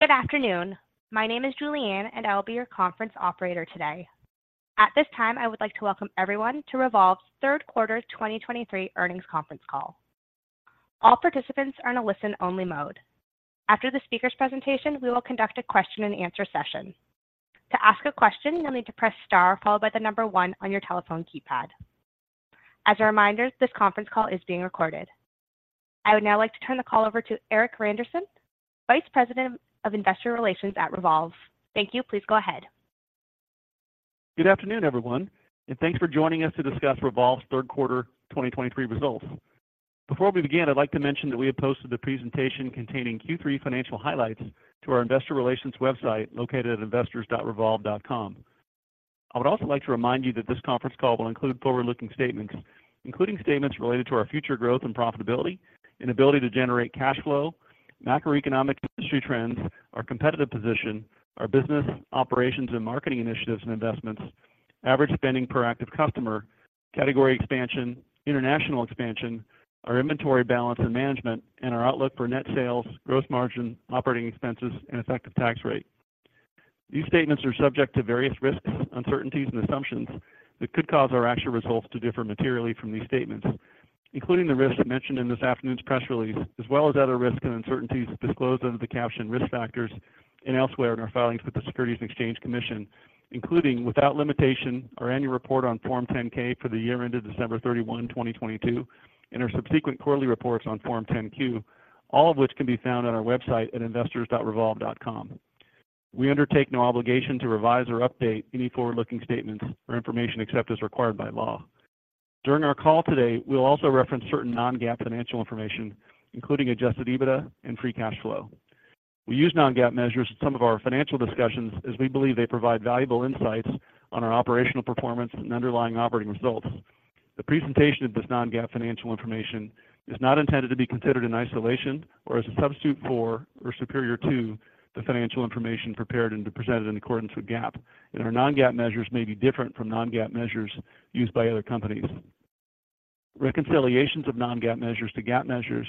Good afternoon. My name is Julianne, and I will be your conference operator today. At this time, I would like to welcome everyone to Revolve's third quarter 2023 earnings conference call. All participants are in a listen-only mode. After the speaker's presentation, we will conduct a question-and-answer session. To ask a question, you'll need to press Star followed by the number one on your telephone keypad. As a reminder, this conference call is being recorded. I would now like to turn the call over to Erik Randerson, Vice President of Investor Relations at Revolve. Thank you. Please go ahead. Good afternoon, everyone, and thanks for joining us to discuss Revolve's third quarter 2023 results. Before we begin, I'd like to mention that we have posted a presentation containing Q3 financial highlights to our investor relations website, located at investors.revolve.com. I would also like to remind you that this conference call will include forward-looking statements, including statements related to our future growth and profitability, and ability to generate cash flow, macroeconomic industry trends, our competitive position, our business operations and marketing initiatives and investments, average spending per active customer, category expansion, international expansion, our inventory balance and management, and our outlook for net sales, gross margin, operating expenses, and effective tax rate. These statements are subject to various risks, uncertainties, and assumptions that could cause our actual results to differ materially from these statements, including the risks mentioned in this afternoon's press release, as well as other risks and uncertainties disclosed under the caption Risk Factors and elsewhere in our filings with the Securities and Exchange Commission, including, without limitation, our annual report on Form 10-K for the year ended December 31, 2022, and our subsequent quarterly reports on Form 10-Q, all of which can be found on our website at investors.revolve.com. We undertake no obligation to revise or update any forward-looking statements or information except as required by law. During our call today, we'll also reference certain non-GAAP financial information, including adjusted EBITDA and free cash flow. We use non-GAAP measures in some of our financial discussions as we believe they provide valuable insights on our operational performance and underlying operating results. The presentation of this non-GAAP financial information is not intended to be considered in isolation or as a substitute for or superior to the financial information prepared and presented in accordance with GAAP, and our non-GAAP measures may be different from non-GAAP measures used by other companies. Reconciliations of non-GAAP measures to GAAP measures,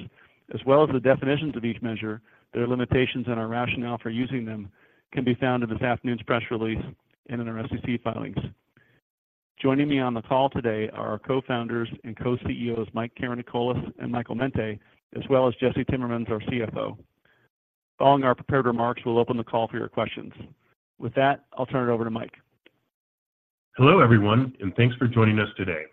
as well as the definitions of each measure, their limitations and our rationale for using them, can be found in this afternoon's press release and in our SEC filings. Joining me on the call today are our Co-Founders and Co-CEOs, Mike Karanikolas and Michael Mente, as well as Jesse Timmermans, our CFO. Following our prepared remarks, we'll open the call for your questions. With that, I'll turn it over to Mike. Hello, everyone, and thanks for joining us today.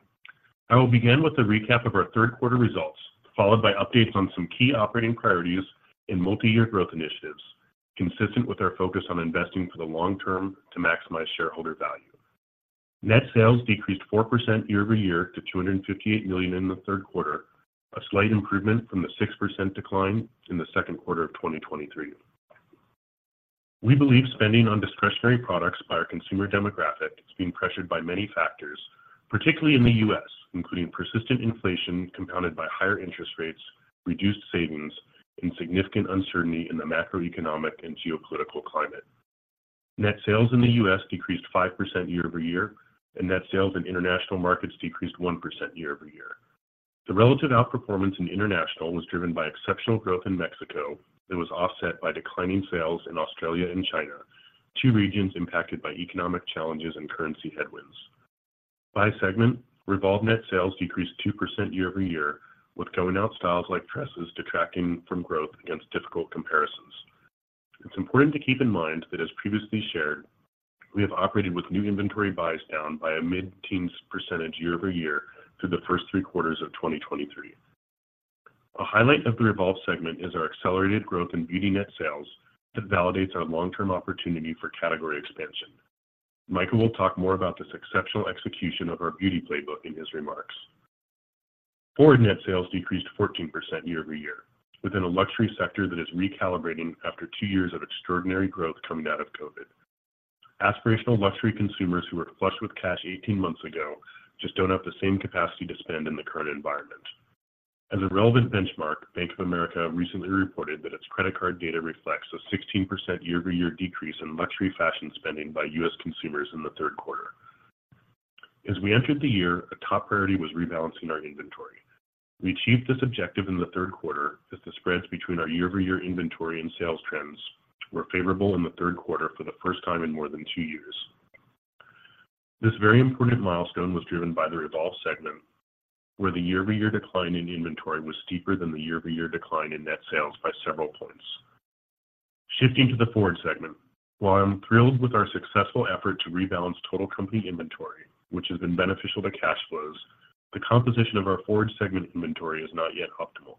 I will begin with a recap of our third quarter results, followed by updates on some key operating priorities and multi-year growth initiatives, consistent with our focus on investing for the long-term to maximize shareholder value. Net sales decreased 4% year-over-year to $258 million in the third quarter, a slight improvement from the 6% decline in the second quarter of 2023. We believe spending on discretionary products by our consumer demographic is being pressured by many factors, particularly in the U.S., including persistent inflation, compounded by higher interest rates, reduced savings, and significant uncertainty in the macroeconomic and geopolitical climate. Net sales in the U.S. decreased 5% year-over-year, and net sales in international markets decreased 1% year-over-year. The relative outperformance in international was driven by exceptional growth in Mexico and was offset by declining sales in Australia and China, two regions impacted by economic challenges and currency headwinds. By segment, REVOLVE net sales decreased 2% year-over-year, with going-out styles like dresses detracting from growth against difficult comparisons. It's important to keep in mind that, as previously shared, we have operated with new inventory buys down by a mid-teens percentage year-over-year through the first three quarters of 2023. A highlight of the REVOLVE segment is our accelerated growth in beauty net sales that validates our long-term opportunity for category expansion. Michael will talk more about this exceptional execution of our beauty playbook in his remarks. FWRD net sales decreased 14% year-over-year within a luxury sector that is recalibrating after two years of extraordinary growth coming out of COVID. Aspirational luxury consumers who were flush with cash 18 months ago just don't have the same capacity to spend in the current environment. As a relevant benchmark, Bank of America recently reported that its credit card data reflects a 16% year-over-year decrease in luxury fashion spending by U.S. consumers in the third quarter. As we entered the year, a top priority was rebalancing our inventory. We achieved this objective in the third quarter, as the spreads between our year-over-year inventory and sales trends were favorable in the third quarter for the first time in more than 2 years. This very important milestone was driven by the REVOLVE segment, where the year-over-year decline in inventory was steeper than the year-over-year decline in net sales by several points. Shifting to the FWRD segment, while I'm thrilled with our successful effort to rebalance total company inventory, which has been beneficial to cash flows, the composition of our FWRD segment inventory is not yet optimal.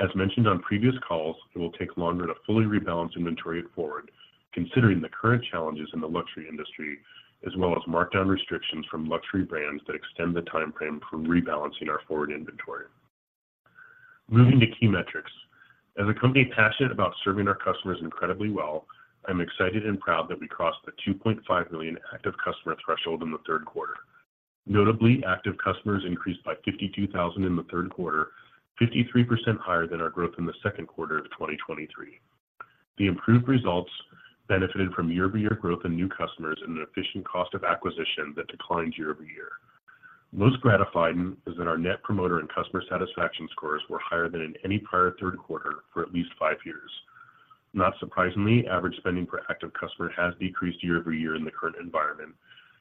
As mentioned on previous calls, it will take longer to fully rebalance inventory at FWRD, considering the current challenges in the luxury industry, as well as markdown restrictions from luxury brands that extend the timeframe for rebalancing our FWRD inventory. Moving to key metrics. As a company passionate about serving our customers incredibly well, I'm excited and proud that we crossed the 2.5 million active customer threshold in the third quarter. Notably, active customers increased by 52,000 in the third quarter, 53% higher than our growth in the second quarter of 2023. The improved results benefited from year-over-year growth in new customers and an efficient cost of acquisition that declined year-over-year. Most gratifying is that our Net Promoter and Customer Satisfaction Scores were higher than in any prior third quarter for at least five years. Not surprisingly, average spending per active customer has decreased year-over-year in the current environment,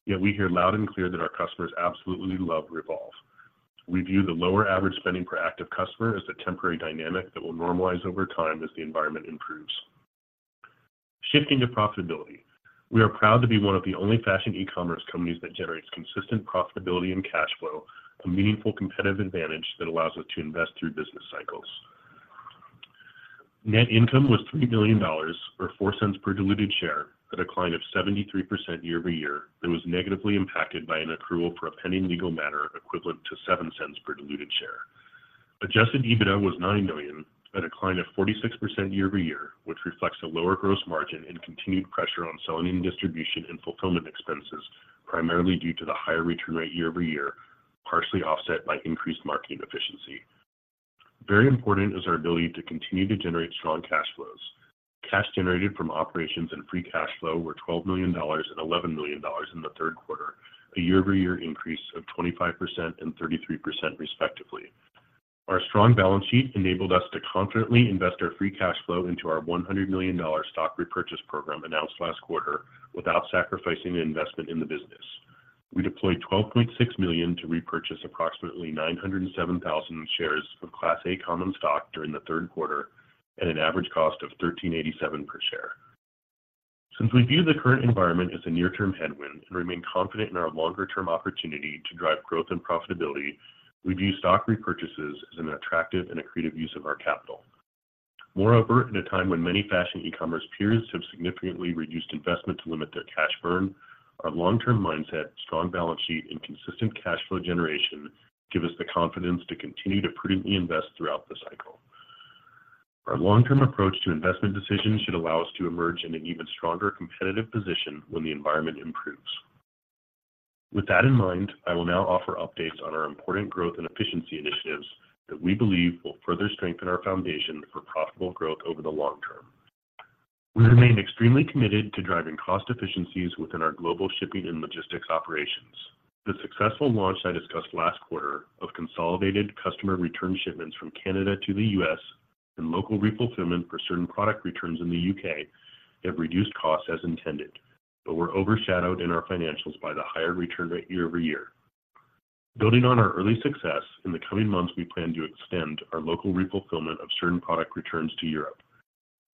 yet we hear loud and clear that our customers absolutely love REVOLVE. We view the lower average spending per active customer as a temporary dynamic that will normalize over time as the environment improves. Shifting to profitability, we are proud to be one of the only fashion e-commerce companies that generates consistent profitability and cash flow, a meaningful competitive advantage that allows us to invest through business cycles. Net income was $3 million, or $0.04 per diluted share, a decline of 73% year-over-year, that was negatively impacted by an accrual for a pending legal matter equivalent to $0.07 per diluted share. Adjusted EBITDA was $9 million, a decline of 46% year-over-year, which reflects a lower gross margin and continued pressure on selling and distribution and fulfillment expenses, primarily due to the higher return rate year-over-year, partially offset by increased marketing efficiency. Very important is our ability to continue to generate strong cash flows. Cash generated from operations and free cash flow were $12 million and $11 million in the third quarter, a year-over-year increase of 25% and 33% respectively. Our strong balance sheet enabled us to confidently invest our free cash flow into our $100 million stock repurchase program announced last quarter, without sacrificing investment in the business. We deployed $12.6 million to repurchase approximately 907,000 shares of Class A common stock during the third quarter at an average cost of $13.87 per share. Since we view the current environment as a near-term headwind and remain confident in our longer-term opportunity to drive growth and profitability, we view stock repurchases as an attractive and accretive use of our capital. Moreover, at a time when many fashion e-commerce peers have significantly reduced investment to limit their cash burn, our long-term mindset, strong balance sheet, and consistent cash flow generation give us the confidence to continue to prudently invest throughout the cycle. Our long-term approach to investment decisions should allow us to emerge in an even stronger competitive position when the environment improves. With that in mind, I will now offer updates on our important growth and efficiency initiatives that we believe will further strengthen our foundation for profitable growth over the long-term. We remain extremely committed to driving cost efficiencies within our global shipping and logistics operations. The successful launch I discussed last quarter of consolidated customer return shipments from Canada to the U.S. and local refulfillment for certain product returns in the U.K., have reduced costs as intended, but were overshadowed in our financials by the higher return rate year-over-year. Building on our early success, in the coming months, we plan to extend our local refulfillment of certain product returns to Europe.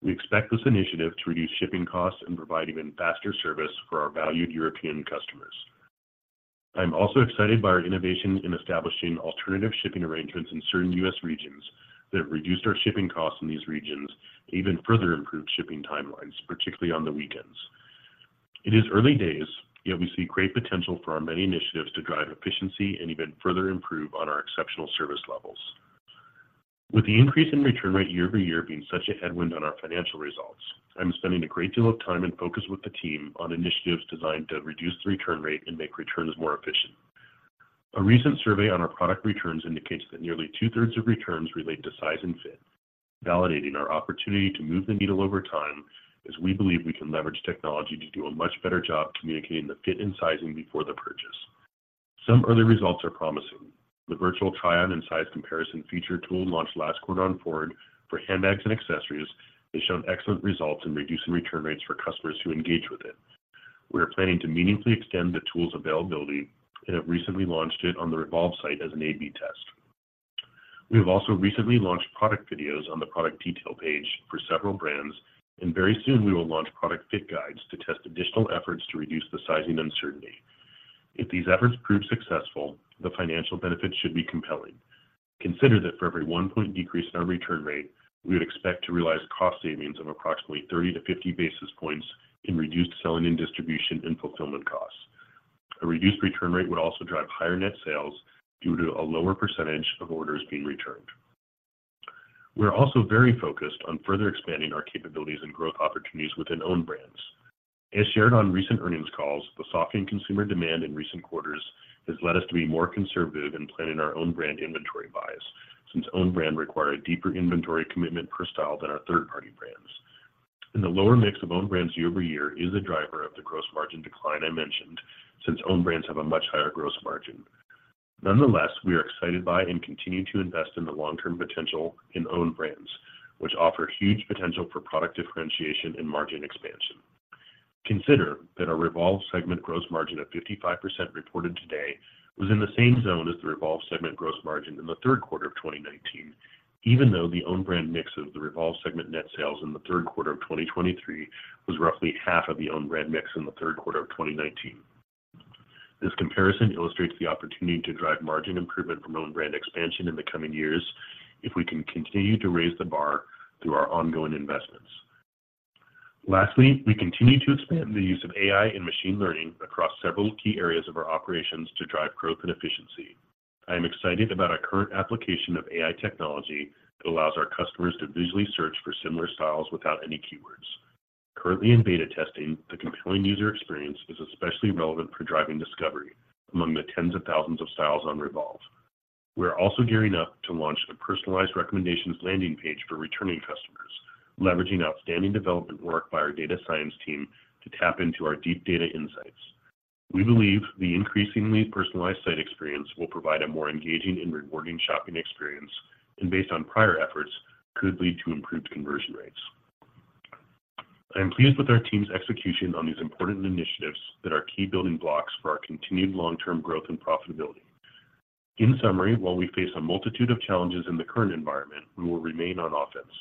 We expect this initiative to reduce shipping costs and provide even faster service for our valued European customers. I'm also excited by our innovation in establishing alternative shipping arrangements in certain U.S. regions that have reduced our shipping costs in these regions and even further improved shipping timelines, particularly on the weekends. It is early days, yet we see great potential for our many initiatives to drive efficiency and even further improve on our exceptional service levels. With the increase in return rate year-over-year being such a headwind on our financial results, I'm spending a great deal of time and focus with the team on initiatives designed to reduce the return rate and make returns more efficient. A recent survey on our product returns indicates that nearly two-thirds of returns relate to size and fit, validating our opportunity to move the needle over time, as we believe we can leverage technology to do a much better job communicating the fit and sizing before the purchase. Some early results are promising. The virtual try-on and size comparison feature tool launched last quarter on FWRD for handbags and accessories has shown excellent results in reducing return rates for customers who engage with it. We are planning to meaningfully extend the tool's availability and have recently launched it on the REVOLVE site as an A/B test. We have also recently launched product videos on the product detail page for several brands, and very soon we will launch product fit guides to test additional efforts to reduce the sizing uncertainty. If these efforts prove successful, the financial benefits should be compelling. Consider that for every 1-point decrease in our return rate, we would expect to realize cost savings of approximately 30-50 basis points in reduced selling and distribution and fulfillment costs. A reduced return rate would also drive higher net sales due to a lower percentage of orders being returned. We are also very focused on further expanding our capabilities and growth opportqunities within Owned Brands. As shared on recent earnings calls, the softening consumer demand in recent quarters has led us to be more conservative in planning our own brand inventory buys, since Owned Brands require a deeper inventory commitment per style than our third-party brands. The lower mix of Owned Brands year-over-year is a driver of the gross margin decline I mentioned, since Owned Brands have a much higher gross margin. Nonetheless, we are excited by and continue to invest in the long-term potential in Owned Brands, which offer huge potential for product differentiation and margin expansion. Consider that our REVOLVE segment gross margin of 55% reported today, was in the same zone as the REVOLVE segment gross margin in the third quarter of 2019, even though the Owned Brands mix of the REVOLVE segment net sales in the third quarter of 2023 was roughly half of the Owned Brands mix in the third quarter of 2019. This comparison illustrates the opportunity to drive margin improvement from Owned Brands expansion in the coming years, if we can continue to raise the bar through our ongoing investments. Lastly, we continue to expand the use of AI and machine learning across several key areas of our operations to drive growth and efficiency. I am excited about our current application of AI technology that allows our customers to visually search for similar styles without any keywords. Currently in beta testing, the compelling user experience is especially relevant for driving discovery among the tens of thousands of styles on REVOLVE. We are also gearing up to launch a personalized recommendations landing page for returning customers, leveraging outstanding development work by our data science team to tap into our deep data insights. We believe the increasingly personalized site experience will provide a more engaging and rewarding shopping experience, and based on prior efforts, could lead to improved conversion rates. I am pleased with our team's execution on these important initiatives that are key building blocks for our continued long-term growth and profitability. In summary, while we face a multitude of challenges in the current environment, we will remain on offense.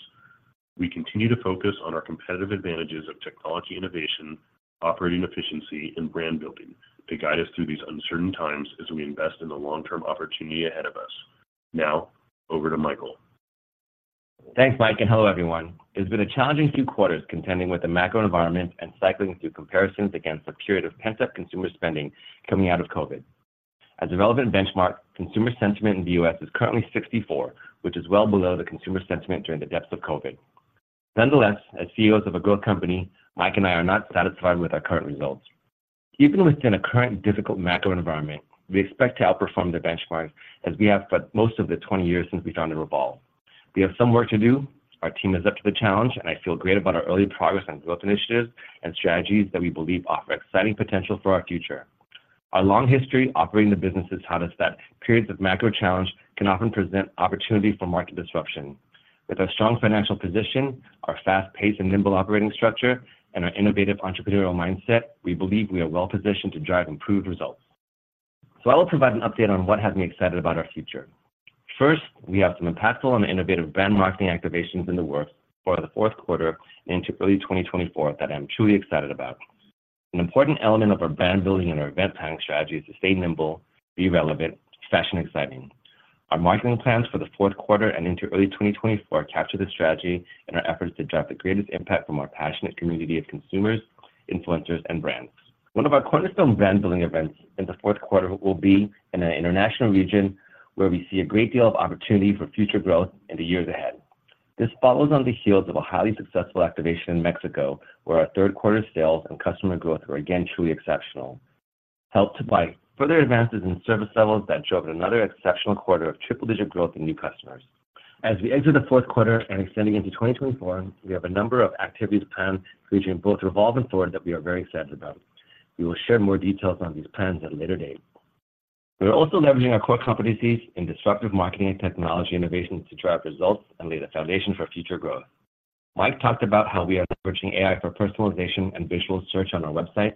We continue to focus on our competitive advantages of technology innovation, operating efficiency, and brand building to guide us through these uncertain times as we invest in the long-term opportunity ahead of us. Now, over to Michael. Thanks, Mike, and hello, everyone. It's been a challenging few quarters contending with the macro environment and cycling through comparisons against a period of pent-up consumer spending coming out of COVID. As a relevant benchmark, consumer sentiment in the U.S. is currently 64, which is well below the consumer sentiment during the depths of COVID. Nonetheless, as CEOs of a growth company, Mike and I are not satisfied with our current results. Even within a current difficult macro environment, we expect to outperform the benchmark as we have for most of the 20 years since we founded REVOLVE. We have some work to do. Our team is up to the challenge, and I feel great about our early progress on growth initiatives and strategies that we believe offer exciting potential for our future. Our long history operating the business has taught us that periods of macro challenge can often present opportunity for market disruption. With our strong financial position, our fast-paced and nimble operating structure, and our innovative entrepreneurial mindset, we believe we are well positioned to drive improved results. I will provide an update on what has me excited about our future. First, we have some impactful and innovative brand marketing activations in the works for the fourth quarter into early 2024 that I'm truly excited about. An important element of our brand building and our event planning strategy is to stay nimble, be relevant, fashion exciting. Our marketing plans for the fourth quarter and into early 2024 capture this strategy and our efforts to drive the greatest impact from our passionate community of consumers, influencers, and brands. One of our cornerstone brand building events in the fourth quarter will be in an international region where we see a great deal of opportunity for future growth in the years ahead. This follows on the heels of a highly successful activation in Mexico, where our third quarter sales and customer growth were again truly exceptional, helped by further advances in service levels that drove another exceptional quarter of triple-digit growth in new customers. As we enter the fourth quarter and extending into 2024, we have a number of activities planned, featuring both REVOLVE and FWRD, that we are very excited about. We will share more details on these plans at a later date. We are also leveraging our core competencies in disruptive marketing and technology innovation to drive results and lay the foundation for future growth. Mike talked about how we are leveraging AI for personalization and visual search on our website.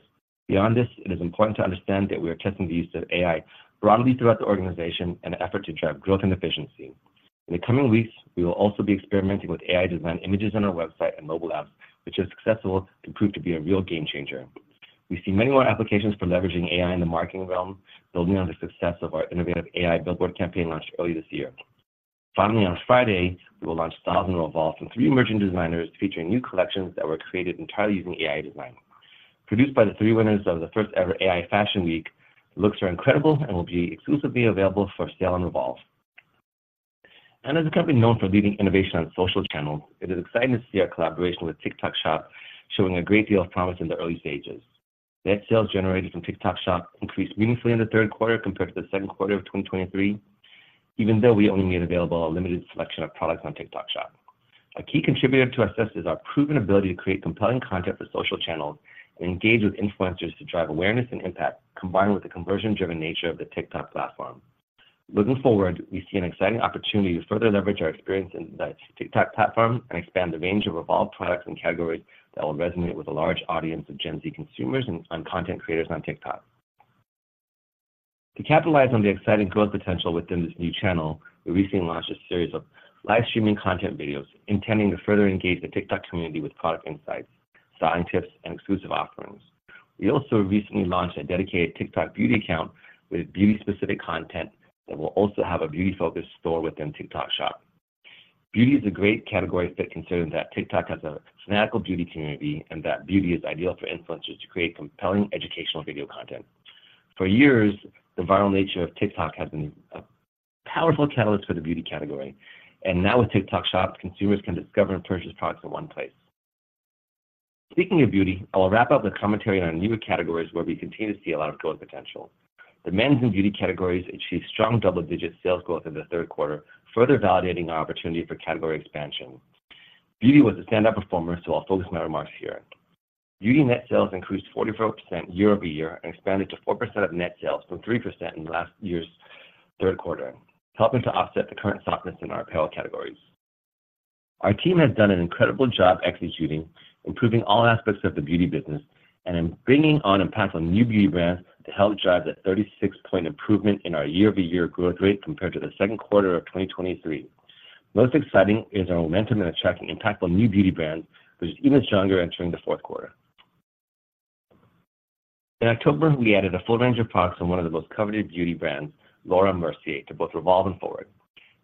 Beyond this, it is important to understand that we are testing the use of AI broadly throughout the organization in an effort to drive growth and efficiency. In the coming weeks, we will also be experimenting with AI-designed images on our website and mobile apps, which, if successful, can prove to be a real game changer. We see many more applications for leveraging AI in the marketing realm, building on the success of our innovative AI billboard campaign launched early this year. Finally, on Friday, we will launch styles and REVOLVE from three emerging designers featuring new collections that were created entirely using AI design. Produced by the three winners of the first-ever AI Fashion Week, looks are incredible and will be exclusively available for sale on REVOLVE. And as a company known for leading innovation on social channels, it is exciting to see our collaboration with TikTok Shop showing a great deal of promise in the early stages. Net sales generated from TikTok Shop increased meaningfully in the third quarter compared to the second quarter of 2023, even though we only made available a limited selection of products on TikTok Shop. A key contributor to our success is our proven ability to create compelling content for social channels and engage with influencers to drive awareness and impact, combined with the conversion-driven nature of the TikTok platform. Looking forward, we see an exciting opportunity to further leverage our experience in the TikTok platform and expand the range of REVOLVE products and categories that will resonate with a large audience of Gen Z consumers and content creators on TikTok. To capitalize on the exciting growth potential within this new channel, we recently launched a series of live streaming content videos intending to further engage the TikTok community with product insights, styling tips, and exclusive offerings. We also recently launched a dedicated TikTok beauty account with beauty-specific content that will also have a beauty-focused store within TikTok Shop. Beauty is a great category, considering that TikTok has a fanatical beauty community and that beauty is ideal for influencers to create compelling educational video content. For years, the viral nature of TikTok has been a powerful catalyst for the beauty category, and now with TikTok Shop, consumers can discover and purchase products in one place. Speaking of beauty, I will wrap up with commentary on newer categories where we continue to see a lot of growth potential. The men's and beauty categories achieved strong double-digit sales growth in the third quarter, further validating our opportunity for category expansion. Beauty was a standout performer, so I'll focus my remarks here. Beauty net sales increased 44% year-over-year and expanded to 4% of net sales from 3% in last year's third quarter, helping to offset the current softness in our apparel categories. Our team has done an incredible job executing, improving all aspects of the beauty business, and in bringing on impactful new beauty brands to help drive the 36-point improvement in our year-over-year growth rate compared to the second quarter of 2023. Most exciting is our momentum in attracting impactful new beauty brands, which is even stronger entering the fourth quarter. In October, we added a full range of products from one of the most coveted beauty brands, Laura Mercier, to both REVOLVE and FWRD.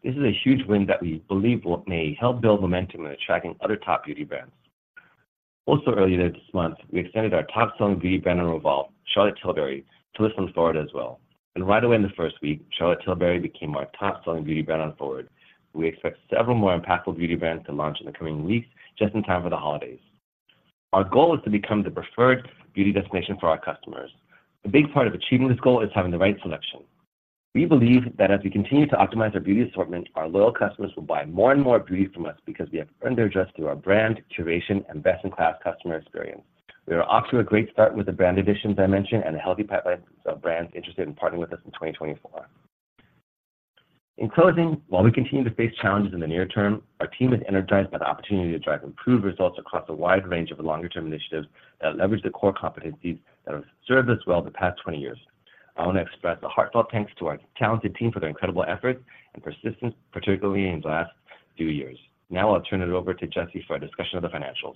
This is a huge win that we believe will help build momentum in attracting other top beauty brands. Also, earlier this month, we extended our top selling beauty brand on REVOLVE, Charlotte Tilbury, to list on FWRD as well. Right away, in the first week, Charlotte Tilbury became our top selling beauty brand on FWRD. We expect several more impactful beauty brands to launch in the coming weeks, just in time for the holidays. Our goal is to become the preferred beauty destination for our customers. A big part of achieving this goal is having the right selection. We believe that as we continue to optimize our beauty assortment, our loyal customers will buy more and more beauty from us because we have earned their trust through our brand, curation, and best-in-class customer experience. We are off to a great start with the brand additions I mentioned and a healthy pipeline of brands interested in partnering with us in 2024. In closing, while we continue to face challenges in the near-term, our team is energized by the opportunity to drive improved results across a wide range of longer-term initiatives that leverage the core competencies that have served us well the past 20 years. I want to express a heartfelt thanks to our talented team for their incredible efforts and persistence, particularly in the last few years. Now I'll turn it over to Jesse for a discussion of the financials.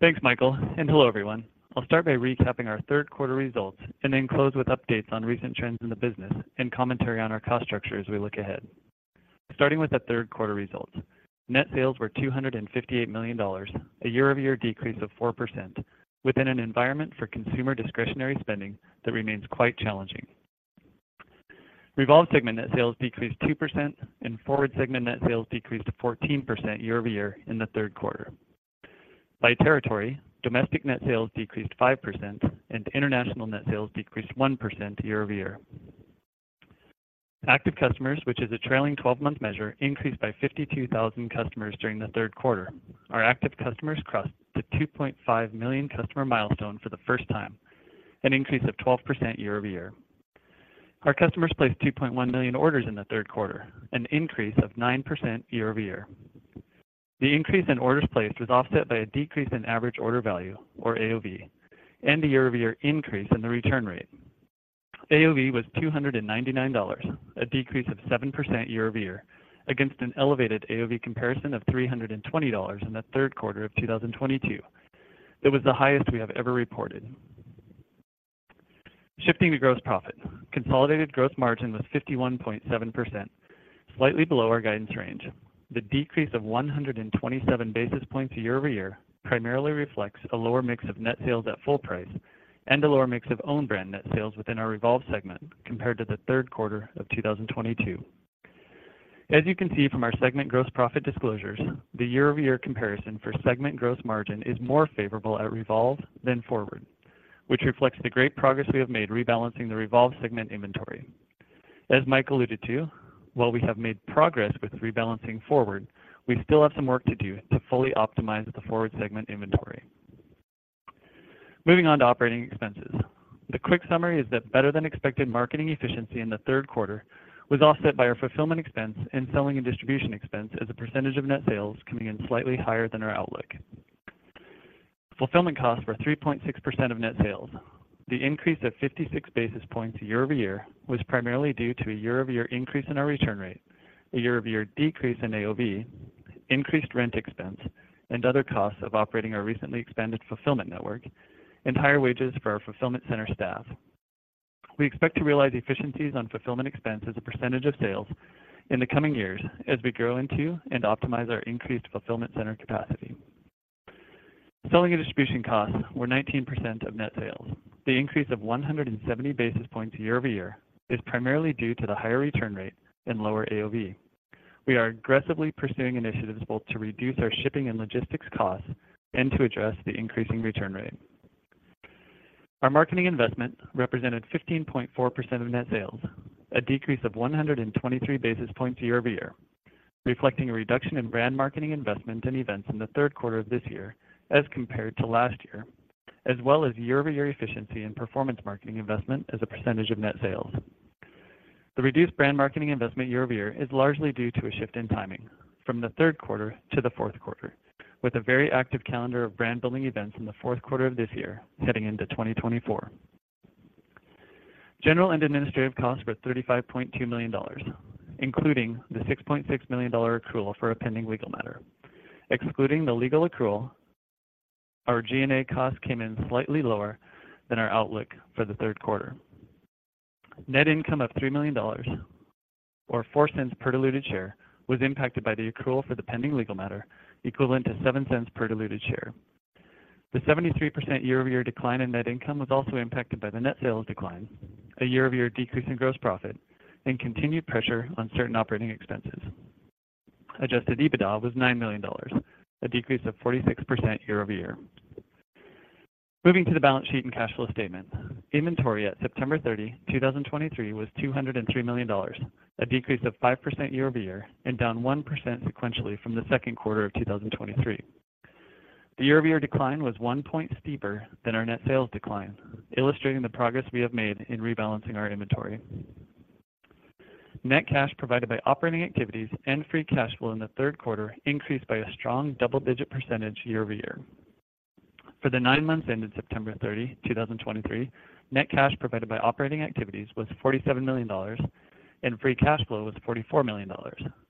Thanks, Michael, and hello, everyone. I'll start by recapping our third quarter results and then close with updates on recent trends in the business and commentary on our cost structure as we look ahead. Starting with the third quarter results, net sales were $258 million, a year-over-year decrease of 4%, within an environment for consumer discretionary spending that remains quite challenging. REVOLVE segment net sales decreased 2% and FWRD segment net sales decreased 14% year-over-year in the third quarter. By territory, domestic net sales decreased 5%, and international net sales decreased 1% year over year. Active customers, which is a trailing 12-month measure, increased by 52,000 customers during the third quarter. Our active customers crossed the 2.5 million customer milestone for the first time, an increase of 12% year-over-year. Our customers placed 2.1 million orders in the third quarter, an increase of 9% year-over-year. The increase in orders placed was offset by a decrease in average order value, or AOV, and a year-over-year increase in the return rate. AOV was $299, a decrease of 7% year-over-year, against an elevated AOV comparison of $320 in the third quarter of 2022. It was the highest we have ever reported. Shifting to gross profit. Consolidated gross margin was 51.7%, slightly below our guidance range. The decrease of 127 basis points year-over-year primarily reflects a lower mix of net sales at full price and a lower mix of Owned Brands net sales within our REVOLVE segment compared to the third quarter of 2022. As you can see from our segment gross profit disclosures, the year-over-year comparison for segment gross margin is more favorable at REVOLVE than FWRD, which reflects the great progress we have made rebalancing the REVOLVE segment inventory. As Mike alluded to, while we have made progress with rebalancing FWRD, we still have some work to do to fully optimize the FWRD segment inventory. Moving on to operating expenses. The quick summary is that better-than-expected marketing efficiency in the third quarter was offset by our fulfillment expense and selling and distribution expense as a percentage of net sales coming in slightly higher than our outlook. Fulfillment costs were 3.6% of net sales. The increase of 56 basis points year-over-year was primarily due to a year-over-year increase in our return rate, a year-over-year decrease in AOV, increased rent expense, and other costs of operating our recently expanded fulfillment network, and higher wages for our fulfillment center staff. We expect to realize efficiencies on fulfillment expense as a percentage of sales in the coming years as we grow into and optimize our increased fulfillment center capacity. Selling and distribution costs were 19% of net sales. The increase of 170 basis points year-over-year is primarily due to the higher return rate and lower AOV. We are aggressively pursuing initiatives both to reduce our shipping and logistics costs and to address the increasing return rate. Our marketing investment represented 15.4% of net sales, a decrease of 123 basis points year-over-year, reflecting a reduction in brand marketing investment and events in the third quarter of this year as compared to last year, as well as year-over-year efficiency and performance marketing investment as a percentage of net sales. The reduced brand marketing investment year-over-year is largely due to a shift in timing from the third quarter to the fourth quarter, with a very active calendar of brand building events in the fourth quarter of this year heading into 2024. General and administrative costs were $35.2 million, including the $6.6 million accrual for a pending legal matter. Excluding the legal accrual, our G&A costs came in slightly lower than our outlook for the third quarter. Net income of $3 million, or $0.04 per diluted share, was impacted by the accrual for the pending legal matter, equivalent to $0.07 per diluted share. The 73% year-over-year decline in net income was also impacted by the net sales decline, a year-over-year decrease in gross profit, and continued pressure on certain operating expenses. Adjusted EBITDA was $9 million, a decrease of 46% year-over-year. Moving to the balance sheet and cash flow statement. Inventory at September 30, 2023, was $203 million, a decrease of 5% year-over-year and down 1% sequentially from the second quarter of 2023. The year-over-year decline was 1 point steeper than our net sales decline, illustrating the progress we have made in rebalancing our inventory. Net cash provided by operating activities and free cash flow in the third quarter increased by a strong double-digit percentage year-over-year. For the nine months ended September 30, 2023, net cash provided by operating activities was $47 million, and free cash flow was $44 million,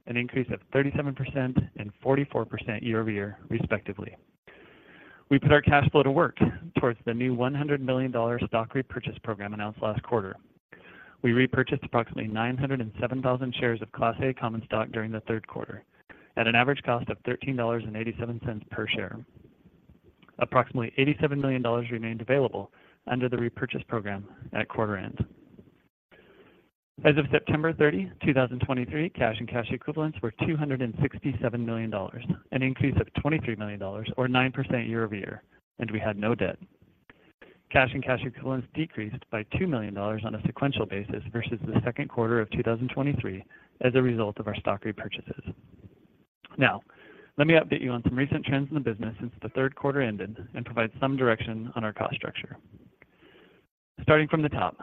an increase of 37% and 44% year-over-year, respectively. We put our cash flow to work towards the new $100 million stock repurchase program announced last quarter. We repurchased approximately 907,000 shares of Class A common stock during the third quarter at an average cost of $13.87 per share. Approximately $87 million remained available under the repurchase program at quarter-end. As of September 30, 2023, cash and cash equivalents were $267 million, an increase of $23 million, or 9% year-over-year, and we had no debt. Cash and cash equivalents decreased by $2 million on a sequential basis versus the second quarter of 2023 as a result of our stock repurchases. Now, let me update you on some recent trends in the business since the third quarter ended and provide some direction on our cost structure. Starting from the top,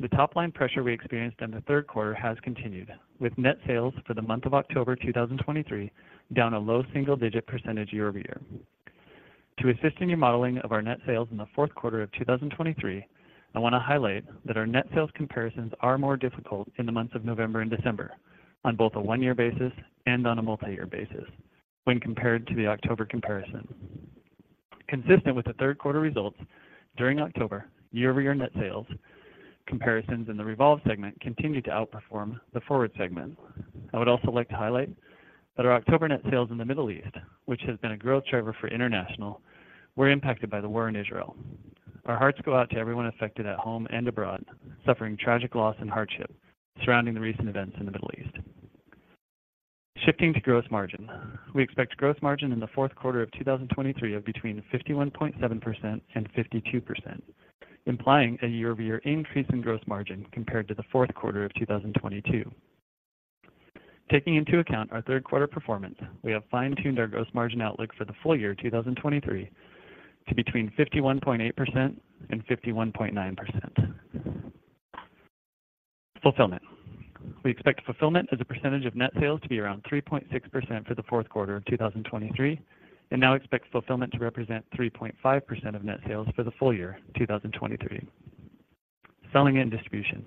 the top line pressure we experienced in the third quarter has continued, with net sales for the month of October 2023, down a low single-digit percentage year-over-year. To assist in your modeling of our net sales in the fourth quarter of 2023, I wanna highlight that our net sales comparisons are more difficult in the months of November and December on both a one-year basis and on a multi-year basis when compared to the October comparison. Consistent with the third quarter results, during October, year-over-year net sales comparisons in the REVOLVE segment continued to outperform the FWRD segment. I would also like to highlight that our October net sales in the Middle East, which has been a growth driver for international, were impacted by the war in Israel. Our hearts go out to everyone affected at home and abroad, suffering tragic loss and hardship surrounding the recent events in the Middle East. Shifting to gross margin. We expect gross margin in the fourth quarter of 2023 of between 51.7% and 52%, implying a year-over-year increase in gross margin compared to the fourth quarter of 2022. Taking into account our third quarter performance, we have fine-tuned our gross margin outlook for the full-year 2023 to between 51.8% and 51.9%. Fulfillment. We expect fulfillment as a percentage of net sales to be around 3.6% for the fourth quarter of 2023, and now expect fulfillment to represent 3.5% of net sales for the full-year 2023. Selling and Distribution.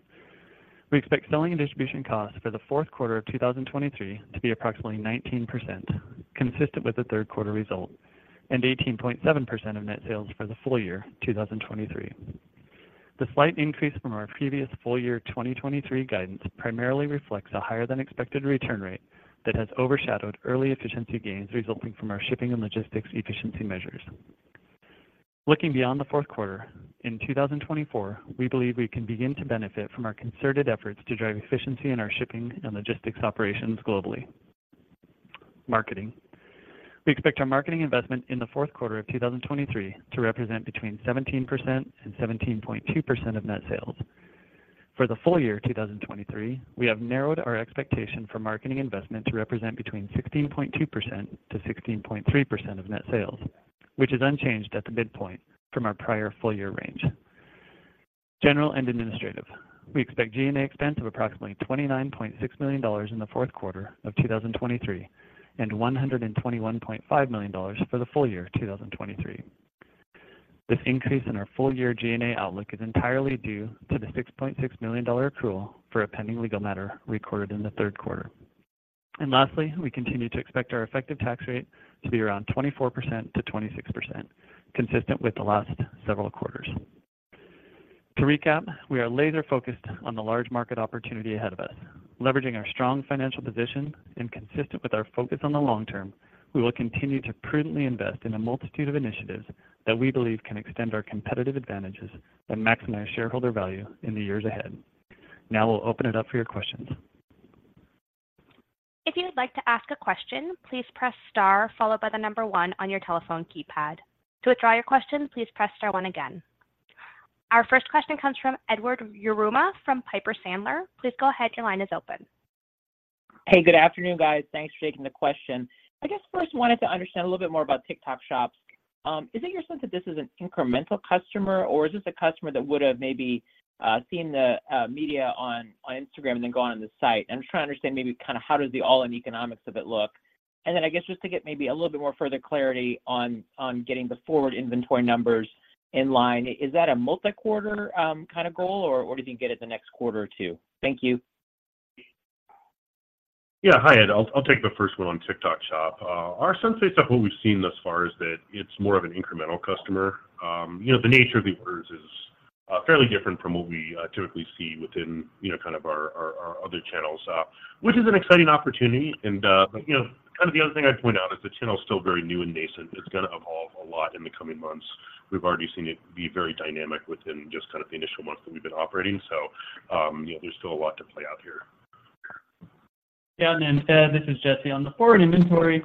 We expect Selling and Distribution costs for the fourth quarter of 2023 to be approximately 19%, consistent with the third quarter result, and 18.7% of net sales for the full-year 2023. The slight increase from our previous full-year 2023 guidance primarily reflects a higher than expected return rate that has overshadowed early efficiency gains resulting from our shipping and logistics efficiency measures. Looking beyond the fourth quarter, in 2024, we believe we can begin to benefit from our concerted efforts to drive efficiency in our shipping and logistics operations globally. Marketing. We expect our marketing investment in the fourth quarter of 2023 to represent between 17% and 17.2% of net sales. For the full-year 2023, we have narrowed our expectation for marketing investment to represent between 16.2%-16.3% of net sales, which is unchanged at the midpoint from our prior full-year range. General and Administrative. We expect G&A expense of approximately $29.6 million in the fourth quarter of 2023, and $121.5 million for the full-year 2023. This increase in our full year G&A outlook is entirely due to the $6.6 million accrual for a pending legal matter recorded in the third quarter. And lastly, we continue to expect our effective tax rate to be around 24%-26%, consistent with the last several quarters. To recap, we are laser focused on the large market opportunity ahead of us, leveraging our strong financial position and consistent with our focus on the long-term, we will continue to prudently invest in a multitude of initiatives that we believe can extend our competitive advantages and maximize shareholder value in the years ahead. Now we'll open it up for your questions. If you would like to ask a question, please press Star, followed by the number One on your telephone keypad. To withdraw your question, please press Star one again. Our first question comes from Edward Yruma from Piper Sandler. Please go ahead. Your line is open. Hey, good afternoon, guys. Thanks for taking the question. I guess first wanted to understand a little bit more about TikTok Shop. Is it your sense that this is an incremental customer, or is this a customer that would have maybe seen the media on Instagram and then gone on the site? I'm trying to understand maybe kind of how does the all-in economics of it look. And then I guess just to get maybe a little bit more further clarity on getting the FWRD inventory numbers in line, is that a multi-quarter kind of goal, or do you think get it the next quarter or two? Thank you. Yeah. Hi, Ed. I'll take the first one on TikTok Shop. Our sense, based off what we've seen thus far, is that it's more of an incremental customer. You know, the nature of the orders is fairly different from what we typically see within, you know, kind of our other channels, which is an exciting opportunity. You know, kind of the other thing I'd point out is the channel is still very new and nascent. It's gonna evolve a lot in the coming months. We've already seen it be very dynamic within just kind of the initial months that we've been operating. You know, there's still a lot to play out here. Yeah. And then, Ed, this is Jesse. On the FWRD inventory,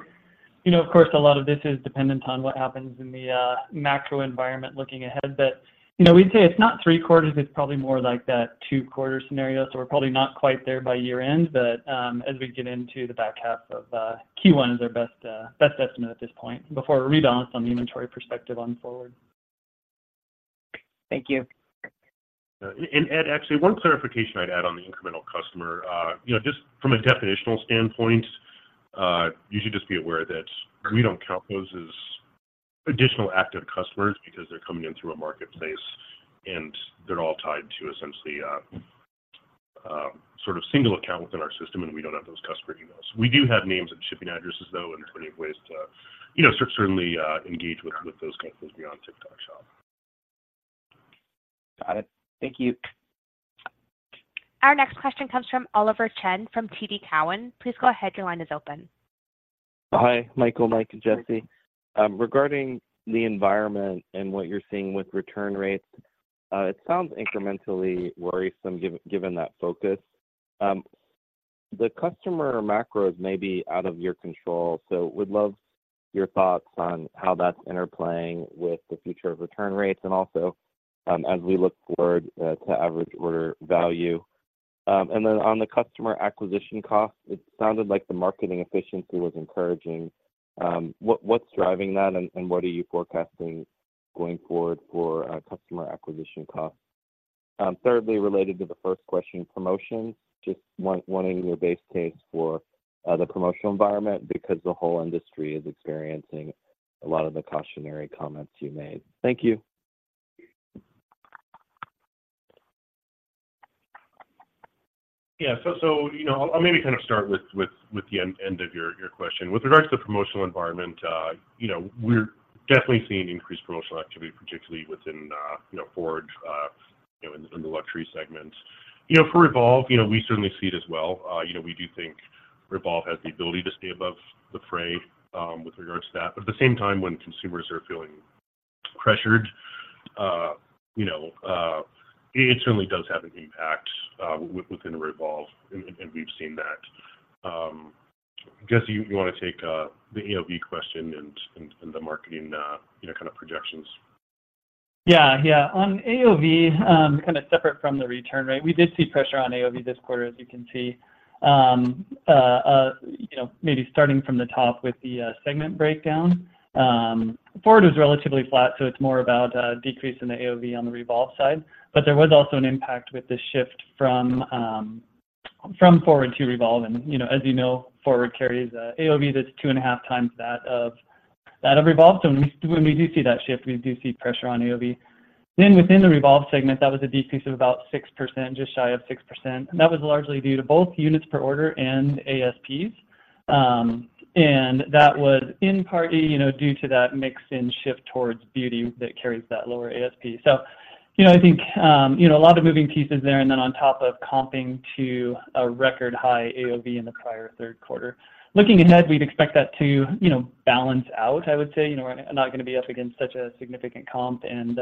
you know, of course, a lot of this is dependent on what happens in the macro environment looking ahead. But, you know, we'd say it's not three quarters, it's probably more like that two-quarter scenario, so we're probably not quite there by year-end. But, as we get into the back half of Q1 is our best best estimate at this point before rebalance on the inventory perspective on FWRD. Thank you. And, Ed, actually, one clarification I'd add on the incremental customer. You know, just from a definitional standpoint, you should just be aware that we don't count those as additional active customers because they're coming in through a marketplace, and they're all tied to essentially a sort of single account within our system, and we don't have those customer emails. We do have names and shipping addresses, though, and plenty of ways to, you know, certainly engage with those customers beyond TikTok Shop. Got it. Thank you. Our next question comes from Oliver Chen, from TD Cowen. Please go ahead, your line is open. Hi, Michael, Mike and Jesse. Regarding the environment and what you're seeing with return rates, it sounds incrementally worrisome given that focus. The customer macros may be out of your control, so would love your thoughts on how that's interplaying with the future of return rates, and also, as we look forward, to average order value. And then on the customer acquisition cost, it sounded like the marketing efficiency was encouraging. What, what's driving that, and what are you forecasting going forward for customer acquisition costs? Thirdly, related to the first question, promotions, wanting your base case for the promotional environment, because the whole industry is experiencing a lot of the cautionary comments you made. Thank you. Yeah, so, you know, I'll maybe kind of start with the end of your question. With regards to the promotional environment, you know, we're definitely seeing increased promotional activity, particularly within, you know, FWRD, you know, in the luxury segment. You know, for REVOLVE, you know, we certainly see it as well. You know, we do think REVOLVE has the ability to stay above the fray, with regards to that. But at the same time, when consumers are feeling pressured, you know, it certainly does have an impact within REVOLVE, and we've seen that. Jesse, you wanna take the AOV question and the marketing, you know, kind of projections? Yeah, yeah. On AOV, kind of separate from the return rate, we did see pressure on AOV this quarter, as you can see. You know, maybe starting from the top with the segment breakdown. FWRD was relatively flat, so it's more about a decrease in the AOV on the REVOLVE side. But there was also an impact with the shift from FWRD to REVOLVE. And, you know, as you know, FWRD carries a AOV that's 2.5x that of REVOLVE. So when we do see that shift, we do see pressure on AOV. Then within the REVOLVE segment, that was a decrease of about 6%, just shy of 6%, and that was largely due to both units per order and ASPs. and that was in part, you know, due to that mix in shift towards beauty that carries that lower ASP. So, you know, I think, you know, a lot of moving pieces there, and then on top of comping to a record high AOV in the prior third quarter. Looking ahead, we'd expect that to, you know, balance out, I would say. You know, we're not gonna be up against such a significant comp and,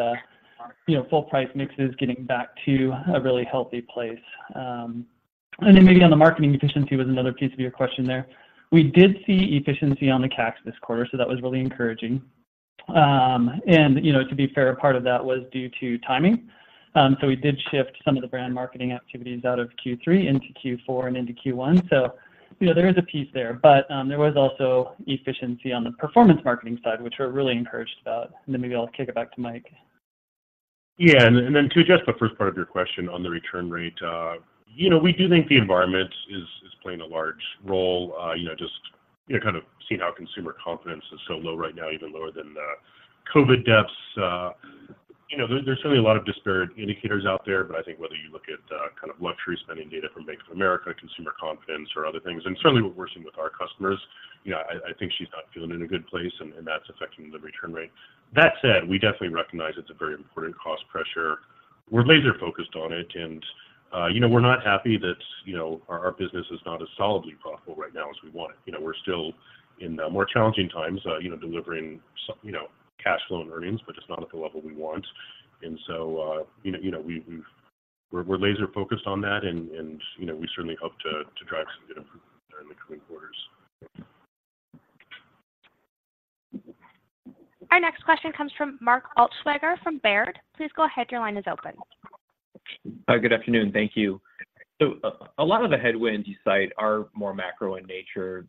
you know, full price mix is getting back to a really healthy place. And then maybe on the marketing efficiency was another piece of your question there. We did see efficiency on the CAC this quarter, so that was really encouraging. And, you know, to be fair, a part of that was due to timing. So, we did shift some of the brand marketing activities out of Q3 into Q4 and into Q1. So, you know, there is a piece there, but there was also efficiency on the performance marketing side, which we're really encouraged about. And then maybe I'll kick it back to Mike. Yeah, and then to address the first part of your question on the return rate, you know, we do think the environment is playing a large role. You know, just kind of seeing how consumer confidence is so low right now, even lower than the COVID depths. You know, there's certainly a lot of disparate indicators out there, but I think whether you look at kind of luxury spending data from Bank of America, consumer confidence or other things, and certainly we're working with our customers, you know, I think she's not feeling in a good place, and that's affecting the return rate. That said, we definitely recognize it's a very important cost pressure. We're laser focused on it, and, you know, we're not happy that, you know, our business is not as solidly profitable right now as we want it. You know, we're still in more challenging times, you know, delivering some, you know, cash flow and earnings, but just not at the level we want. And so, you know, we've... We're laser focused on that, and, you know, we certainly hope to drive some improvement there in the coming quarters. Our next question comes from Mark Altschwager, from Baird. Please go ahead, your line is open. Hi, good afternoon. Thank you. So a lot of the headwinds you cite are more macro in nature.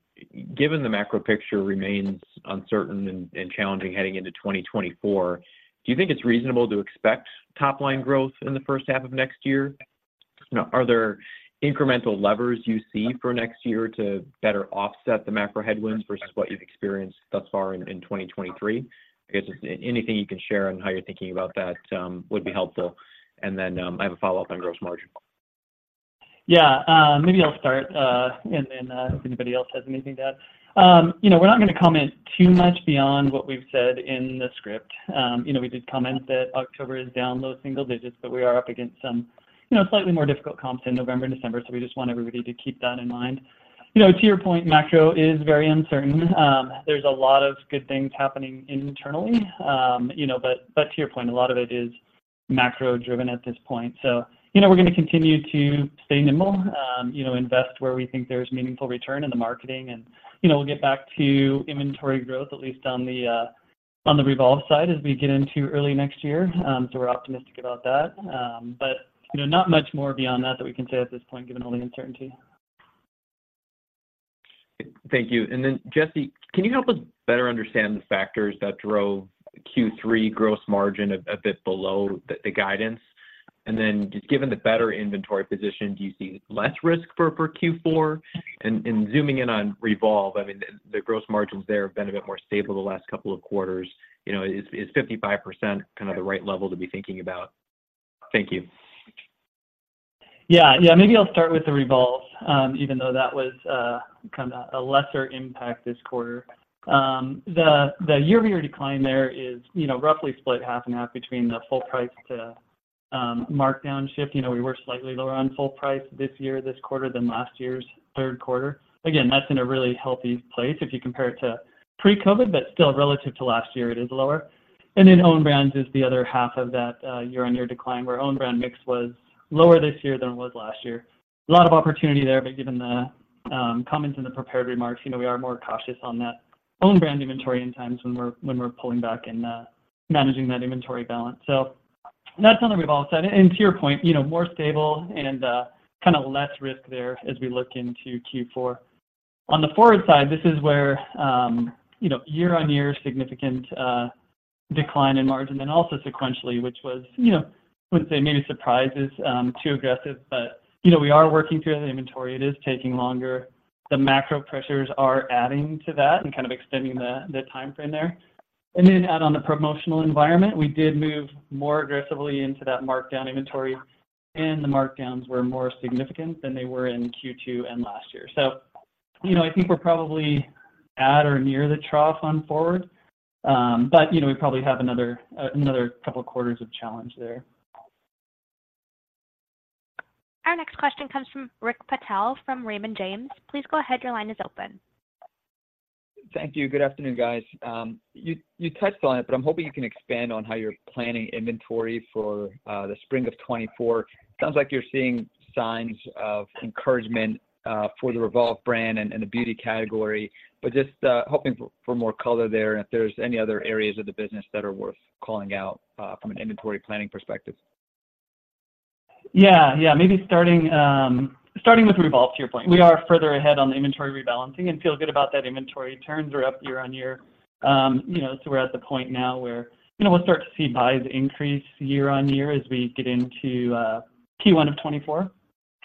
Given the macro picture remains uncertain and challenging heading into 2024, do you think it's reasonable to expect top line growth in the first half of next year? You know, are there incremental levers you see for next year to better offset the macro headwinds versus what you've experienced thus far in 2023? I guess just anything you can share on how you're thinking about that would be helpful. And then, I have a follow-up on gross margin. Yeah, maybe I'll start, and then, if anybody else has anything to add. You know, we're not gonna comment too much beyond what we've said in the script. You know, we did comment that October is down low single digits, but we are up against some, you know, slightly more difficult comps in November and December, so we just want everybody to keep that in mind. You know, to your point, macro is very uncertain. There's a lot of good things happening internally. You know, but, but to your point, a lot of it is macro driven at this point. So, you know, we're gonna continue to stay nimble, you know, invest where we think there's meaningful return in the marketing, and, you know, we'll get back to inventory growth, at least on the REVOLVE side as we get into early next year. So we're optimistic about that. But, you know, not much more beyond that that we can say at this point, given all the uncertainty. Thank you. And then, Jesse, can you help us better understand the factors that drove Q3 gross margin a bit below the guidance? And then, just given the better inventory position, do you see less risk for Q4? And zooming in on REVOLVE, I mean, the gross margins there have been a bit more stable the last couple of quarters. You know, is 55% kind of the right level to be thinking about? Thank you. Yeah. Yeah, maybe I'll start with the REVOLVE, even though that was kind of a lesser impact this quarter. The year-over-year decline there is, you know, roughly split half and half between the full price to markdown shift. You know, we were slightly lower on full price this year, this quarter, than last year's third quarter. Again, that's in a really healthy place if you compare it to pre-COVID, but still relative to last year, it is lower. And then Owned Brands is the other half of that year-over-year decline, where Owned Brands mix was lower this year than it was last year. A lot of opportunity there, but given the comments in the prepared remarks, you know, we are more cautious on that Owned Brands inventory in times when we're pulling back and managing that inventory balance. So that's on the REVOLVE side. And to your point, you know, more stable and kinda less risk there as we look into Q4. On the FWRD side, this is where, you know, year-on-year, significant decline in margin, and also sequentially, which was, you know, I wouldn't say maybe surprise is too aggressive, but, you know, we are working through the inventory. It is taking longer. The macro pressures are adding to that and kind of extending the timeframe there. And then out on the promotional environment, we did move more aggressively into that markdown inventory, and the markdowns were more significant than they were in Q2 and last year. So, you know, I think we're probably at or near the trough on FWRD. But, you know, we probably have another couple quarters of challenge there. Our next question comes from Rick Patel from Raymond James. Please go ahead. Your line is open. Thank you. Good afternoon, guys. You, you touched on it, but I'm hoping you can expand on how you're planning inventory for the spring of 2024. Sounds like you're seeing signs of encouragement for the Revolve brand and, and the beauty category, but just hoping for more color there, and if there's any other areas of the business that are worth calling out from an inventory planning perspective. Yeah. Yeah, maybe starting with REVOLVE, to your point. We are further ahead on the inventory rebalancing and feel good about that inventory. Turns are up year-on-year. You know, so we're at the point now where, you know, we'll start to see buys increase year-on-year as we get into Q1 of 2024.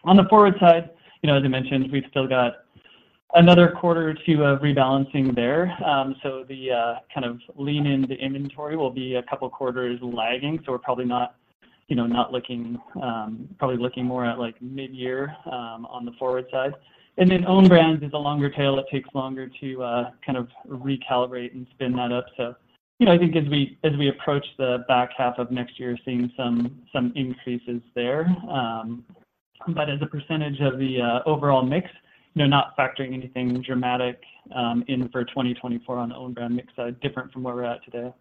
On the FWRD side, you know, as I mentioned, we've still got another quarter or two of rebalancing there. So the kind of lean in the inventory will be a couple quarters lagging, so we're probably not, you know, not looking, probably looking more at, like, mid-year on the FWRD side. And then Owned Brands is a longer tail. It takes longer to kind of recalibrate and spin that up. So, you know, I think as we approach the back half of next year, seeing some increases there. But as a percentage of the overall mix, you know, not factoring anything dramatic in for 2024 on owned brand mix different from where we're at today.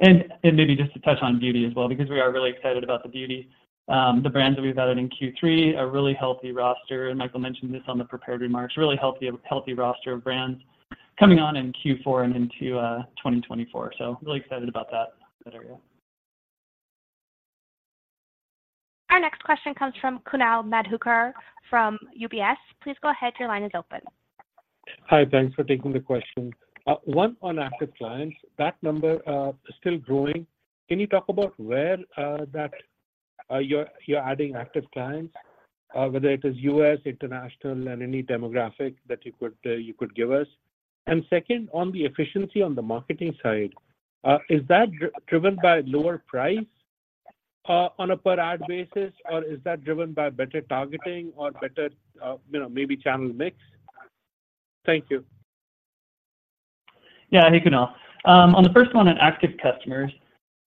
And maybe just to touch on beauty as well, because we are really excited about the beauty. The brands that we've added in Q3 are a really healthy roster, and Michael mentioned this on the prepared remarks, really healthy roster of brands coming on in Q4 and into 2024. So really excited about that area. Our next question comes from Kunal Madhukar from UBS. Please go ahead. Your line is open. Hi, thanks for taking the question. One, on active clients, that number is still growing. Can you talk about where you're adding active clients? Whether it is U.S., international, and any demographic that you could give us. And second, on the efficiency on the marketing side, is that driven by lower price on a per ad basis, or is that driven by better targeting or better, you know, maybe channel mix? Thank you. Yeah. Hey, Kunal. On the first one, on active customers,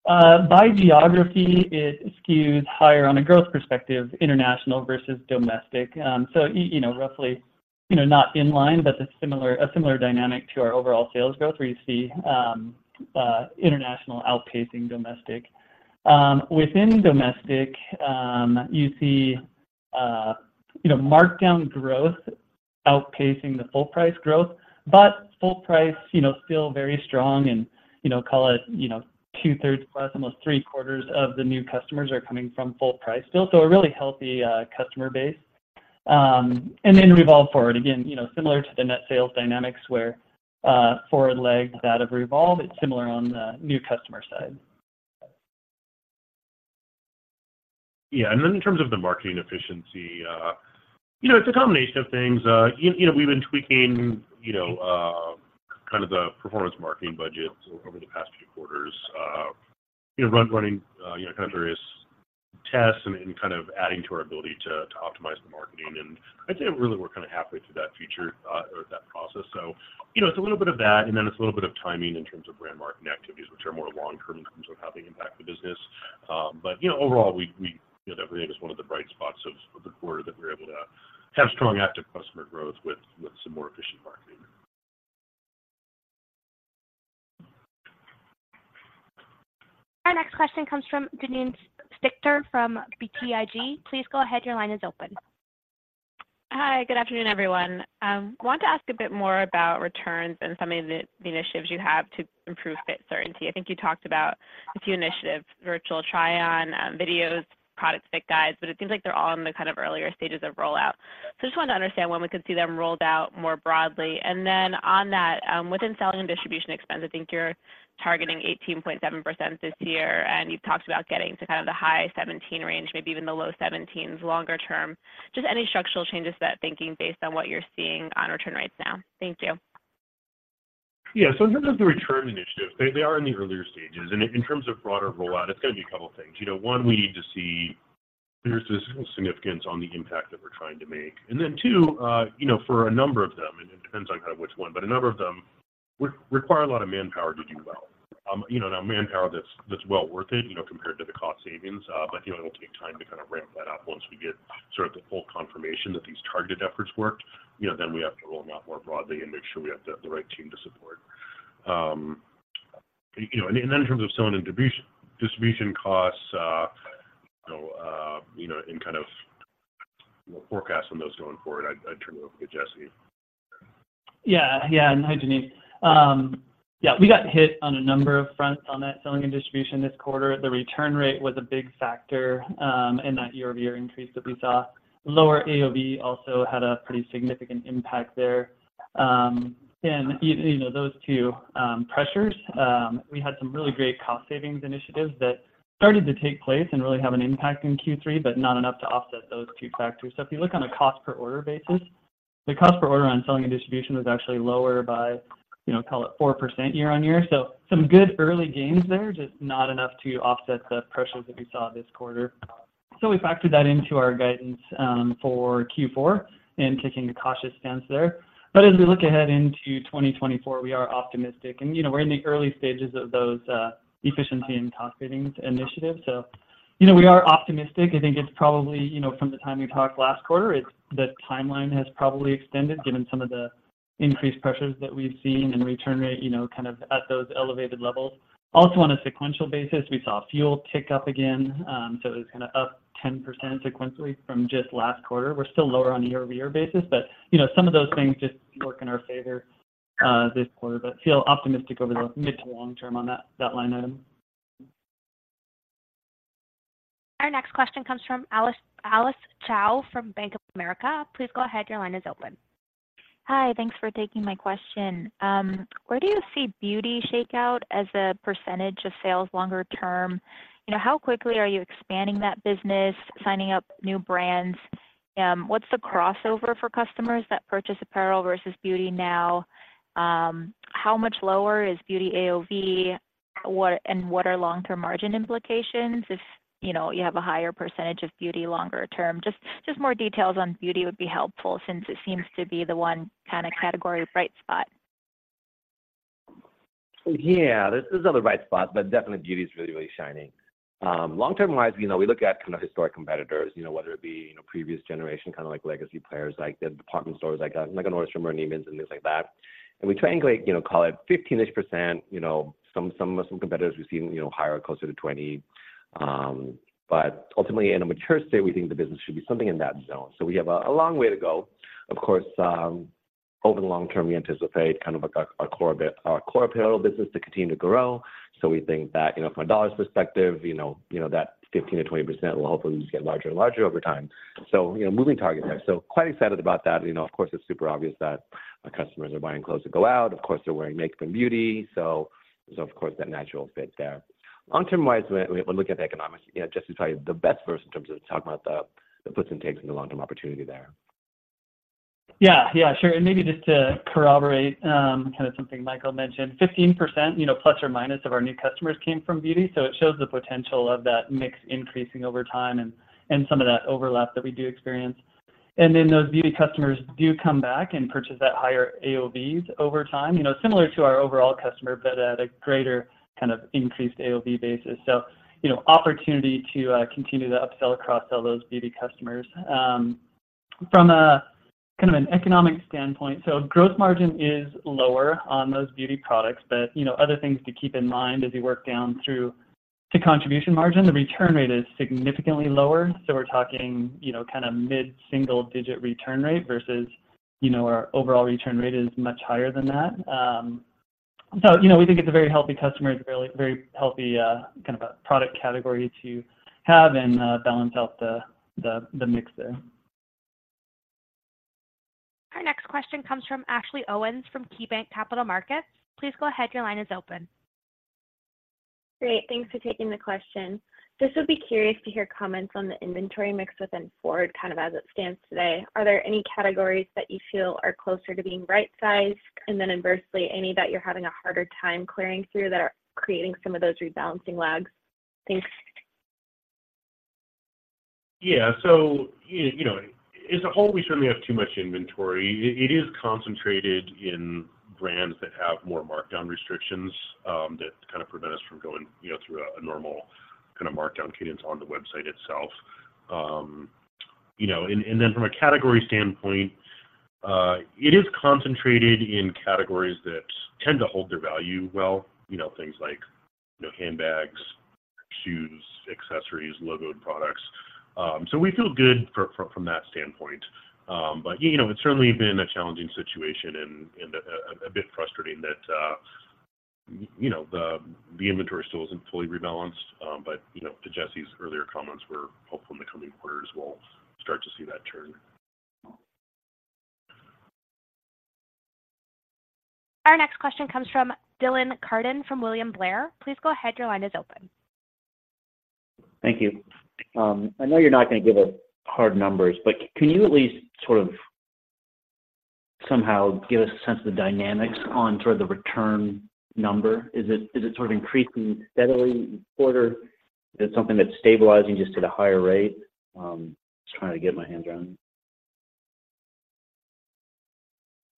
by geography, it skews higher on a growth perspective, international versus domestic. So you know, roughly, you know, not in line, but it's similar, a similar dynamic to our overall sales growth, where you see, international outpacing domestic. Within domestic, you see, you know, markdown growth outpacing the full price growth, but full price, you know, still very strong and, you know, call it, you know, 2/3 plus, almost three-quarters of the new customers are coming from full price still. So a really healthy, customer base. And then REVOLVE FWRD. Again, you know, similar to the net sales dynamics where, FWRD lags out of REVOLVE, it's similar on the new customer side. Yeah, and then in terms of the marketing efficiency, you know, it's a combination of things. You know, we've been tweaking, you know, kind of the performance marketing budget over the past few quarters. You know, running, you know, kind of various tests and kind of adding to our ability to optimize the marketing. And I'd say we're really kind of halfway through that feature, or that process. So, you know, it's a little bit of that, and then it's a little bit of timing in terms of brand marketing activities, which are more long-term in terms of how they impact the business. But, you know, overall, you know, that really is one of the bright spots of the quarter, that we're able to have strong active customer growth with some more efficient marketing. Our next question comes from Janine Stichter from BTIG. Please go ahead. Your line is open. Hi, good afternoon, everyone. Wanted to ask a bit more about returns and some of the initiatives you have to improve fit certainty. I think you talked about a few initiatives, virtual try-on, videos, product fit guides, but it seems like they're all in the kind of earlier stages of rollout. So just wanted to understand when we could see them rolled out more broadly. And then on that, within selling and distribution expense, I think you're targeting 18.7% this year, and you've talked about getting to kind of the high 17% range, maybe even the low 17%s longer-term. Just any structural changes to that thinking based on what you're seeing on return rates now? Thank you. Yeah, so in terms of the return initiative, they are in the earlier stages, and in terms of broader rollout, it's gonna be a couple things. You know, one, we need to see there's the significance on the impact that we're trying to make. And then two, you know, for a number of them, and it depends on kind of which one, but a number of them would require a lot of manpower to do well. You know, now, manpower that's well worth it, you know, compared to the cost savings. But, you know, it'll take time to kind of ramp that up once we get sort of the full confirmation that these targeted efforts worked, you know, then we have to roll them out more broadly and make sure we have the right team to support. You know, and then in terms of selling and distribution costs, so, you know, in kind of the forecast on those going forward, I'd turn it over to Jesse. Yeah. Yeah, and hi, Janine. Yeah, we got hit on a number of fronts on that selling and distribution this quarter. The return rate was a big factor in that year-over-year increase that we saw. Lower AOV also had a pretty significant impact there. And you know, those two pressures, we had some really great cost savings initiatives that started to take place and really have an impact in Q3, but not enough to offset those two factors. So if you look on a cost per order basis, the cost per order on selling and distribution was actually lower by, you know, call it 4% year-on-year. So some good early gains there, just not enough to offset the pressures that we saw this quarter. So we factored that into our guidance for Q4 and taking a cautious stance there. But as we look ahead into 2024, we are optimistic, and, you know, we're in the early stages of those efficiency and cost savings initiatives. So, you know, we are optimistic. I think it's probably, you know, from the time we talked last quarter, it's the timeline has probably extended, given some of the increased pressures that we've seen and return rate, you know, kind of at those elevated levels. Also, on a sequential basis, we saw fuel tick up again. So it was kinda up 10% sequentially from just last quarter. We're still lower on a year-over-year basis, but, you know, some of those things just work in our favor this quarter, but feel optimistic over the mid to long-term on that, that line item. Our next question comes from Alice, Alice Xiao from Bank of America. Please go ahead. Your line is open. Hi, thanks for taking my question. Where do you see beauty shake out as a percentage of sales longer-term? You know, how quickly are you expanding that business, signing up new brands? What's the crossover for customers that purchase apparel versus beauty now? How much lower is beauty AOV, what... and what are long-term margin implications if, you know, you have a higher percentage of beauty longer-term? Just, just more details on beauty would be helpful since it seems to be the one kinda category bright spot. Yeah. This, this is not the right spot, but definitely beauty is really, really shining. Long-term wise, you know, we look at kind of historic competitors, you know, whether it be, you know, previous generation, kinda like legacy players, like the department stores, like, like a Nordstrom or Neiman's and things like that. And we triangulate, you know, call it 15-ish%, you know, some competitors we've seen, you know, higher, closer to 20%. But ultimately, in a mature state, we think the business should be something in that zone. So we have a long way to go. Of course, over the long-term, we anticipate kind of a core apparel business to continue to grow. So we think that, you know, from a dollars perspective, you know, you know, that 15%-20% will hopefully just get larger and larger over time. So, you know, moving target there. So quite excited about that. You know, of course, it's super obvious that our customers are buying clothes to go out. Of course, they're wearing makeup and beauty, so, so of course, that natural fit there. Long-term wise, when we look at the economics, you know, Jesse, tell you the best first in terms of talking about the, the puts and takes in the long term opportunity there. Yeah. Yeah, sure. And maybe just to corroborate, kind of something Michael mentioned, 15%, ± of our new customers came from beauty. So it shows the potential of that mix increasing over time and some of that overlap that we do experience. And then those beauty customers do come back and purchase at higher AOVs over time, you know, similar to our overall customer, but at a greater kind of increased AOV basis. So, you know, opportunity to continue to upsell across all those beauty customers. From a kind of an economic standpoint, so gross margin is lower on those beauty products, but, you know, other things to keep in mind as we work down through to contribution margin, the return rate is significantly lower. So we're talking, you know, kinda mid-single digit return rate versus, you know, our overall return rate is much higher than that. So, you know, we think it's a very healthy customer, it's really very healthy, kind of a product category to have and, balance out the mix there. Our next question comes from Ashley Owens from KeyBanc Capital Markets. Please go ahead. Your line is open. Great, thanks for taking the question. Just would be curious to hear comments on the inventory mix within FWRD, kind of as it stands today. Are there any categories that you feel are closer to being right-sized? And then inversely, any that you're having a harder time clearing through that are creating some of those rebalancing lags? Thanks. Yeah. So, you know, as a whole, we certainly have too much inventory. It is concentrated in brands that have more markdown restrictions that kind of prevent us from going, you know, through a normal kinda markdown cadence on the website itself. You know, and then from a category standpoint, it is concentrated in categories that tend to hold their value well, you know, things like, you know, handbags, shoes, accessories, logoed products. So we feel good from that standpoint. But you know, it's certainly been a challenging situation and a bit frustrating that you know, the inventory still isn't fully rebalanced. But you know, to Jesse's earlier comments, we're hopeful in the coming quarters we'll start to see that turn. Our next question comes from Dylan Carden, from William Blair. Please go ahead. Your line is open. Thank you. I know you're not gonna give us hard numbers, but can you at least sort of somehow give us a sense of the dynamics on sort of the return number? Is it sort of increasing steadily quarter? Is it something that's stabilizing just at a higher rate? Just trying to get my hands around it.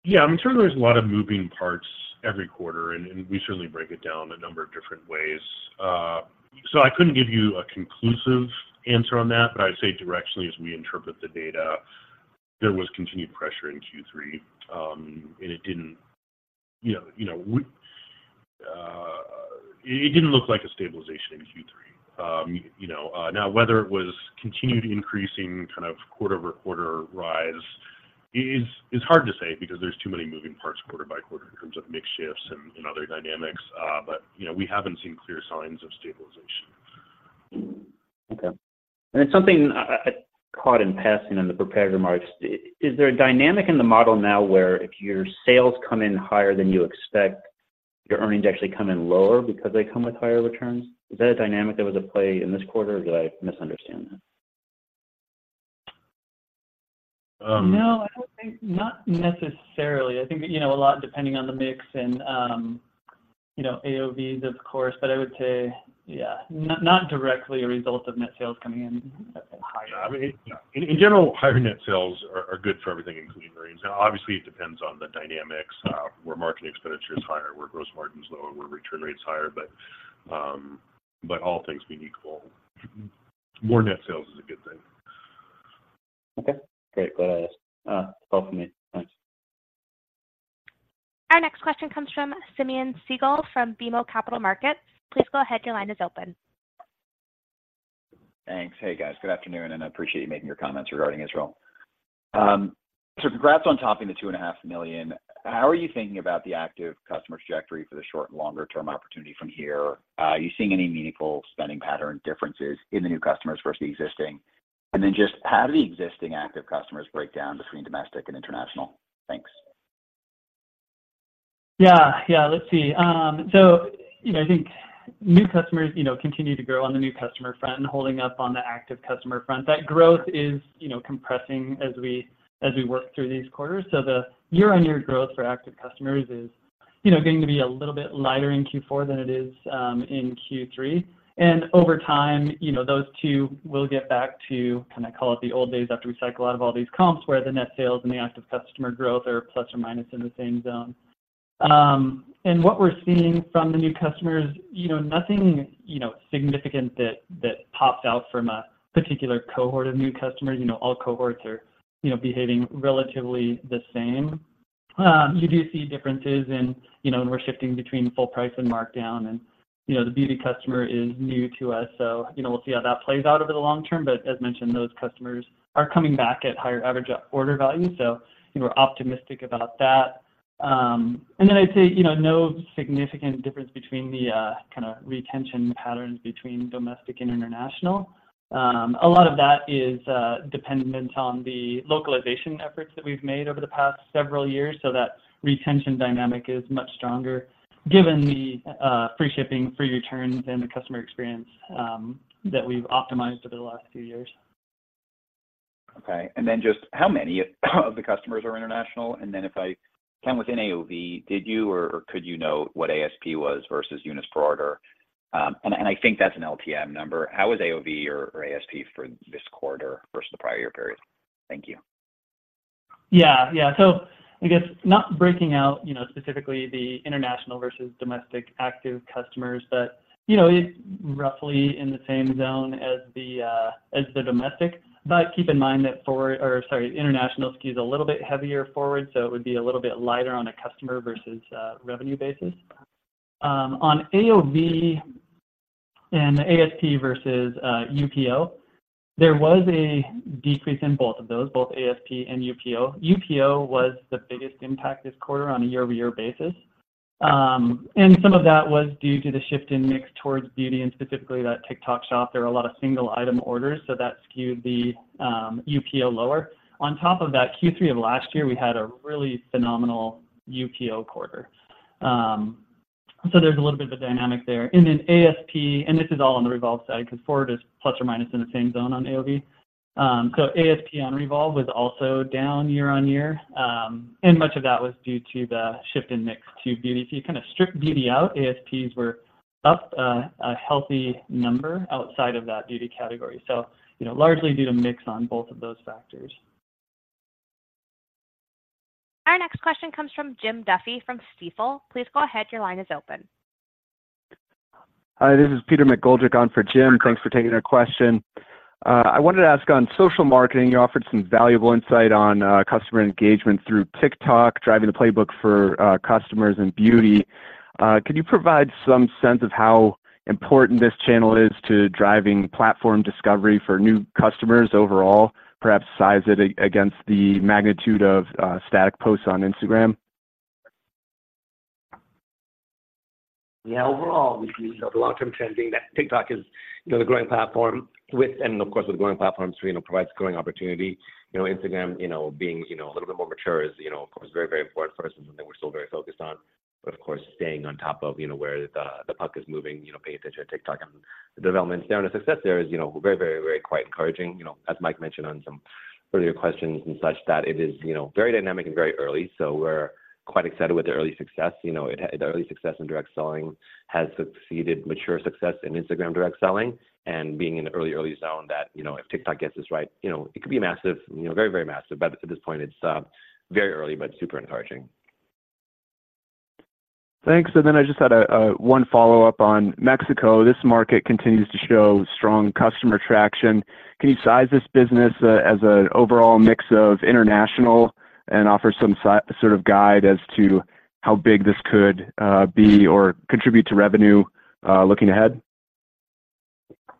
Yeah, I'm sure there's a lot of moving parts every quarter, and we certainly break it down a number of different ways. So I couldn't give you a conclusive answer on that, but I'd say directionally, as we interpret the data, there was continued pressure in Q3. And it didn't, you know, you know, it didn't look like a stabilization in Q3. You know, now, whether it was continued increasing kind of quarter-over-quarter rise is hard to say because there's too many moving parts quarter by quarter in terms of mix shifts and other dynamics. But, you know, we haven't seen clear signs of stabilization. Okay. It's something I caught in passing in the prepared remarks. Is there a dynamic in the model now where if your sales come in higher than you expect, your earnings actually come in lower because they come with higher returns? Is that a dynamic that was at play in this quarter, or did I misunderstand that? Um- No, I don't think... Not necessarily. I think, you know, a lot depending on the mix and, you know, AOVs, of course, but I would say, yeah, not, not directly a result of net sales coming in higher. I mean, in general, higher net sales are good for everything in the margins, and obviously, it depends on the dynamics where marketing expenditure is higher, where gross margin is lower, where return rate is higher. But all things being equal, more net sales is a good thing. Okay, great. Glad I helped me. Thanks. Our next question comes from Simeon Siegel from BMO Capital Markets. Please go ahead, your line is open. Thanks. Hey, guys. Good afternoon, and I appreciate you making your comments regarding Israel. So congrats on topping the 2.5 million. How are you thinking about the active customer trajectory for the short and longer-term opportunity from here? Are you seeing any meaningful spending pattern differences in the new customers versus the existing? And then just how do the existing active customers break down between domestic and international? Thanks. Yeah, yeah, let's see. So you know, I think new customers, you know, continue to grow on the new customer front and holding up on the active customer front. That growth is, you know, compressing as we, as we work through these quarters. So the year-on-year growth for active customers is, you know, going to be a little bit lighter in Q4 than it is in Q3. And over time, you know, those two will get back to, kinda call it the old days, after we cycle out of all these comps, where the net sales and the active customer growth are plus or minus in the same zone. And what we're seeing from the new customers, you know, nothing, you know, significant that that pops out from a particular cohort of new customers. You know, all cohorts are, you know, behaving relatively the same. You do see differences in, you know, when we're shifting between full price and markdown, and, you know, the beauty customer is new to us, so, you know, we'll see how that plays out over the long-term. But as mentioned, those customers are coming back at higher average order value, so we're optimistic about that. And then I'd say, you know, no significant difference between the kind of retention patterns between domestic and international. A lot of that is dependent on the localization efforts that we've made over the past several years, so that retention dynamic is much stronger, given the free shipping, free returns, and the customer experience that we've optimized over the last few years. Okay. Then just how many of the customers are international? And then if I count within AOV, did you or could you know what ASP was versus units per order? And I think that's an LTM number. How was AOV or ASP for this quarter versus the prior year period? Thank you. Yeah, yeah. So I guess not breaking out, you know, specifically the international versus domestic active customers, but, you know, it's roughly in the same zone as the as the domestic. But keep in mind that FWRD or sorry, international skews a little bit heavier FWRD, so it would be a little bit lighter on a customer versus revenue basis. On AOV and ASP versus UPO, there was a decrease in both of those, both ASP and UPO. UPO was the biggest impact this quarter on a year-over-year basis. And some of that was due to the shift in mix towards beauty, and specifically that TikTok Shop. There were a lot of single item orders, so that skewed the UPO lower. On top of that, Q3 of last year, we had a really phenomenal UPO quarter. So there's a little bit of a dynamic there. And then ASP, and this is all on the REVOLVE side, 'cause FWRD is plus or minus in the same zone on AOV. So ASP on REVOLVE was also down year-on-year, and much of that was due to the shift in mix to beauty. If you kind of strip beauty out, ASPs were up a healthy number outside of that beauty category, so, you know, largely due to mix on both of those factors. Our next question comes from Jim Duffy from Stifel. Please go ahead. Your line is open. Hi, this is Peter McGoldrick on for Jim. Hi, Peter. Thanks for taking our question. I wanted to ask on social marketing, you offered some valuable insight on customer engagement through TikTok, driving the playbook for customers and beauty. Could you provide some sense of how important this channel is to driving platform discovery for new customers overall? Perhaps size it against the magnitude of static posts on Instagram. Yeah, overall, we see the long-term trending that TikTok is, you know, the growing platform with, and of course, with growing platforms, you know, provides growing opportunity. You know, Instagram, you know, being, you know, a little bit more mature is, you know, of course, very, very important for us, and something we're still very focused on. But of course, staying on top of, you know, where the, the puck is moving, you know, paying attention to TikTok and the developments there, and the success there is, you know, very, very, very quite encouraging. You know, as Mike mentioned on some- earlier questions and such, that it is, you know, very dynamic and very early. So we're quite excited with the early success. You know, it, the early success in direct selling has succeeded mature success in Instagram direct selling, and being in the early, early zone that, you know, if TikTok gets this right, you know, it could be massive, you know, very, very massive. But at this point, it's very early, but super encouraging. Thanks. And then I just had one follow-up on Mexico. This market continues to show strong customer traction. Can you size this business as an overall mix of international and offer some sort of guide as to how big this could be or contribute to revenue looking ahead?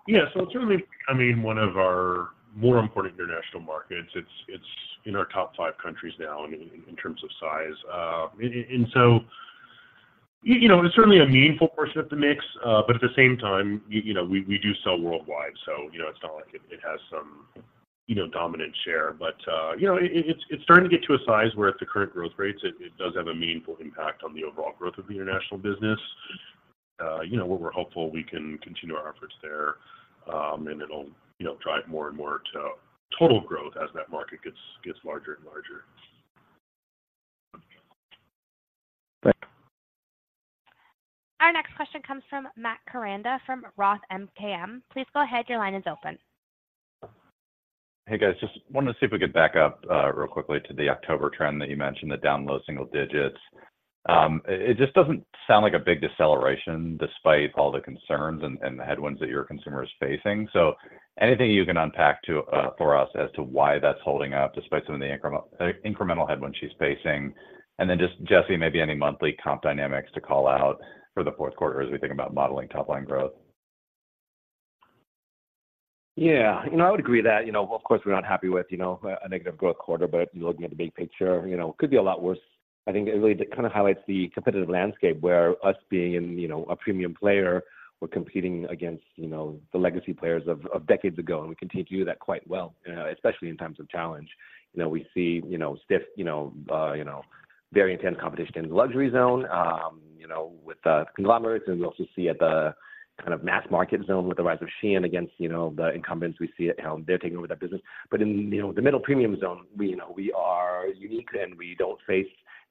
Yeah. So it's certainly, I mean, one of our more important international markets. It's in our top five countries now in terms of size. You know, it's certainly a meaningful portion of the mix, but at the same time, you know, we do sell worldwide, so, you know, it's not like it has some, you know, dominant share. You know, it's starting to get to a size where at the current growth rates, it does have a meaningful impact on the overall growth of the international business. You know, we're hopeful we can continue our efforts there, and it'll, you know, drive more and more to total growth as that market gets larger and larger. Thanks. Our next question comes from Matt Koranda, from Roth MKM. Please go ahead. Your line is open. Hey, guys, just wanted to see if we could back up real quickly to the October trend that you mentioned, the down low-single-digits. It just doesn't sound like a big deceleration, despite all the concerns and the headwinds that your consumer is facing. So anything you can unpack for us as to why that's holding up, despite some of the incremental headwinds she's facing? And then just, Jesse, maybe any monthly comp dynamics to call out for the fourth quarter as we think about modeling top line growth. Yeah, you know, I would agree that, you know, of course, we're not happy with, you know, a negative growth quarter, but if you're looking at the big picture, you know, it could be a lot worse. I think it really kind of highlights the competitive landscape, where us being in, you know, a premium player, we're competing against, you know, the legacy players of decades ago, and we continue to do that quite well, especially in times of challenge. You know, we see, you know, stiff, you know, very intense competition in the luxury zone, you know, with the conglomerates, and we also see at the kind of mass market zone with the rise of Shein against, you know, the incumbents. We see it how they're taking over that business. But in, you know, the middle premium zone, we know we are unique, and we don't face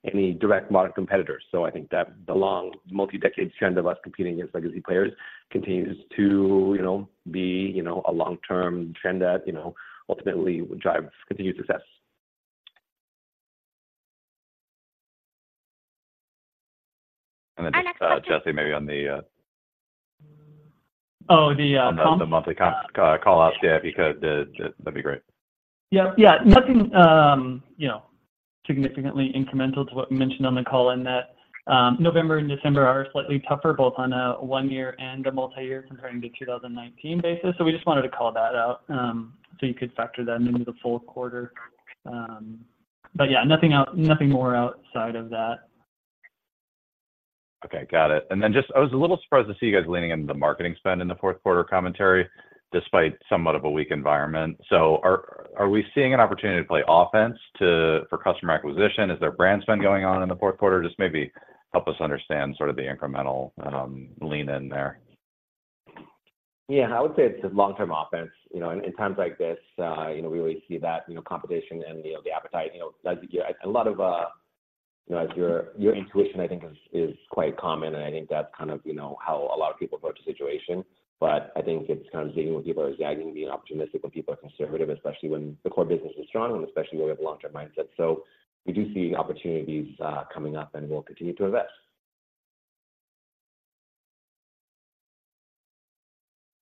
any direct modern competitors. So I think that the long, multi-decade trend of us competing against legacy players continues to, you know, be, you know, a long-term trend that, you know, ultimately will drive continued success. Our next question- And then, Jesse, maybe on the, Oh, the comp? The monthly comp call out, yeah, if you could, that'd be great. Yeah, yeah. Nothing, you know, significantly incremental to what we mentioned on the call in that, November and December are slightly tougher, both on a one-year and a multi-year comparing to 2019 basis. So we just wanted to call that out, so you could factor that into the fourth quarter. But yeah, nothing more outside of that. Okay, got it. And then just I was a little surprised to see you guys leaning into the marketing spend in the fourth quarter commentary, despite somewhat of a weak environment. So are we seeing an opportunity to play offense for customer acquisition? Is there brand spend going on in the fourth quarter? Just maybe help us understand sort of the incremental lean in there. Yeah, I would say it's a long-term offense. You know, in times like this, you know, we really see that, you know, competition and, you know, the appetite. You know, that's a lot of, you know, as your intuition, I think, is quite common, and I think that's kind of, you know, how a lot of people approach the situation. But I think it's kind of being when people are zagging, being optimistic, when people are conservative, especially when the core business is strong, and especially when we have a long-term mindset. So we do see opportunities, coming up, and we'll continue to invest.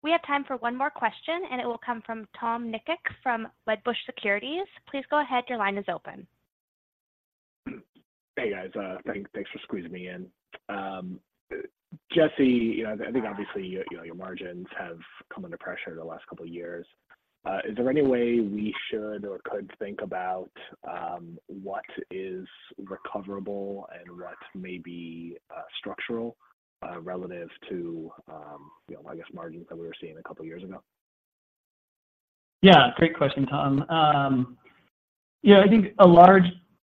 We have time for one more question, and it will come from Tom Nikic from Wedbush Securities. Please go ahead. Your line is open. Hey, guys, thanks for squeezing me in. Jesse, you know, I think obviously, your margins have come under pressure the last couple of years. Is there any way we should or could think about what is recoverable and what may be structural relative to, you know, I guess, margins that we were seeing a couple of years ago? Yeah, great question, Tom. Yeah, I think a large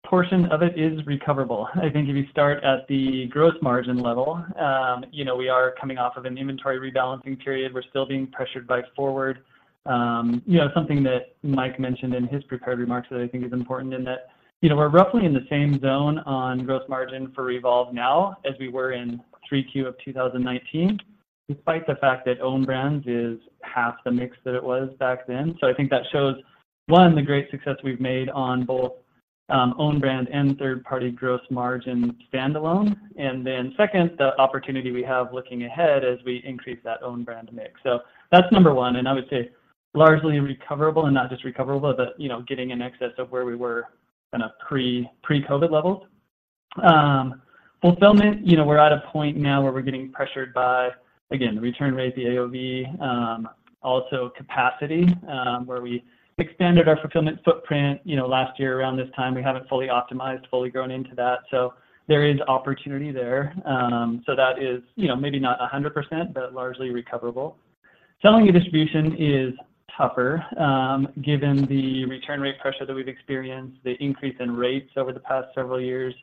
portion of it is recoverable. I think if you start at the gross margin level, you know, we are coming off of an inventory rebalancing period. We're still being pressured by FWRD. You know, something that Mike mentioned in his prepared remarks that I think is important in that, you know, we're roughly in the same zone on gross margin for REVOLVE now as we were in Q3 of 2019, despite the fact that Owned Brands is half the mix that it was back then. So I think that shows, one, the great success we've made on both, Owned Brands and third-party gross margin standalone, and then second, the opportunity we have looking ahead as we increase that Owned Brands mix. So that's number one, and I would say largely recoverable, and not just recoverable, but, you know, getting in excess of where we were in a pre-pre-COVID levels. Fulfillment, you know, we're at a point now where we're getting pressured by, again, the return rate, the AOV, also capacity, where we expanded our fulfillment footprint, you know, last year around this time. We haven't fully optimized, fully grown into that, so there is opportunity there. So that is, you know, maybe not 100%, but largely recoverable. Selling and distribution is tougher, given the return rate pressure that we've experienced, the increase in rates over the past several years,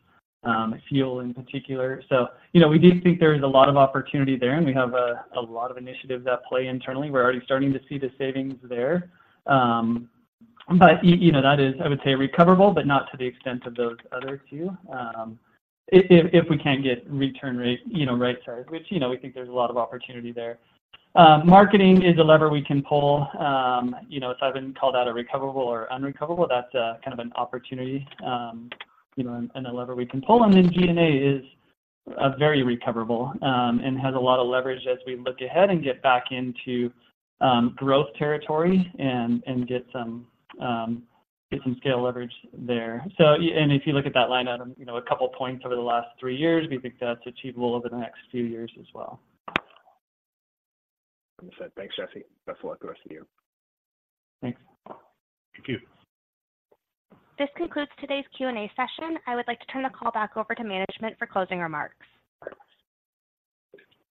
fuel in particular. So, you know, we do think there is a lot of opportunity there, and we have a lot of initiatives at play internally. We're already starting to see the savings there. But you know, that is, I would say, recoverable, but not to the extent of those other two. If we can get return rate right-sized, you know, which you know, we think there's a lot of opportunity there. Marketing is a lever we can pull. You know, so I wouldn't call that a recoverable or unrecoverable. That's kind of an opportunity, you know, and a lever we can pull. And then G&A is very recoverable, and has a lot of leverage as we look ahead and get back into growth territory and get some scale leverage there. If you look at that line item, you know, a couple of points over the last three years, we think that's achievable over the next few years as well. Understood. Thanks, Jesse. Best of luck the rest of you. Thanks. Thank you. This concludes today's Q&A session. I would like to turn the call back over to management for closing remarks.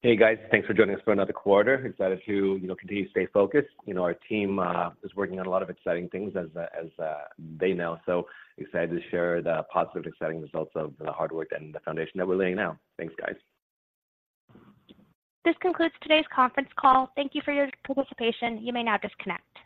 Hey, guys. Thanks for joining us for another quarter. Excited to, you know, continue to stay focused. You know, our team is working on a lot of exciting things as they know, so excited to share the positive, exciting results of the hard work and the foundation that we're laying now. Thanks, guys. This concludes today's conference call. Thank you for your participation. You may now disconnect.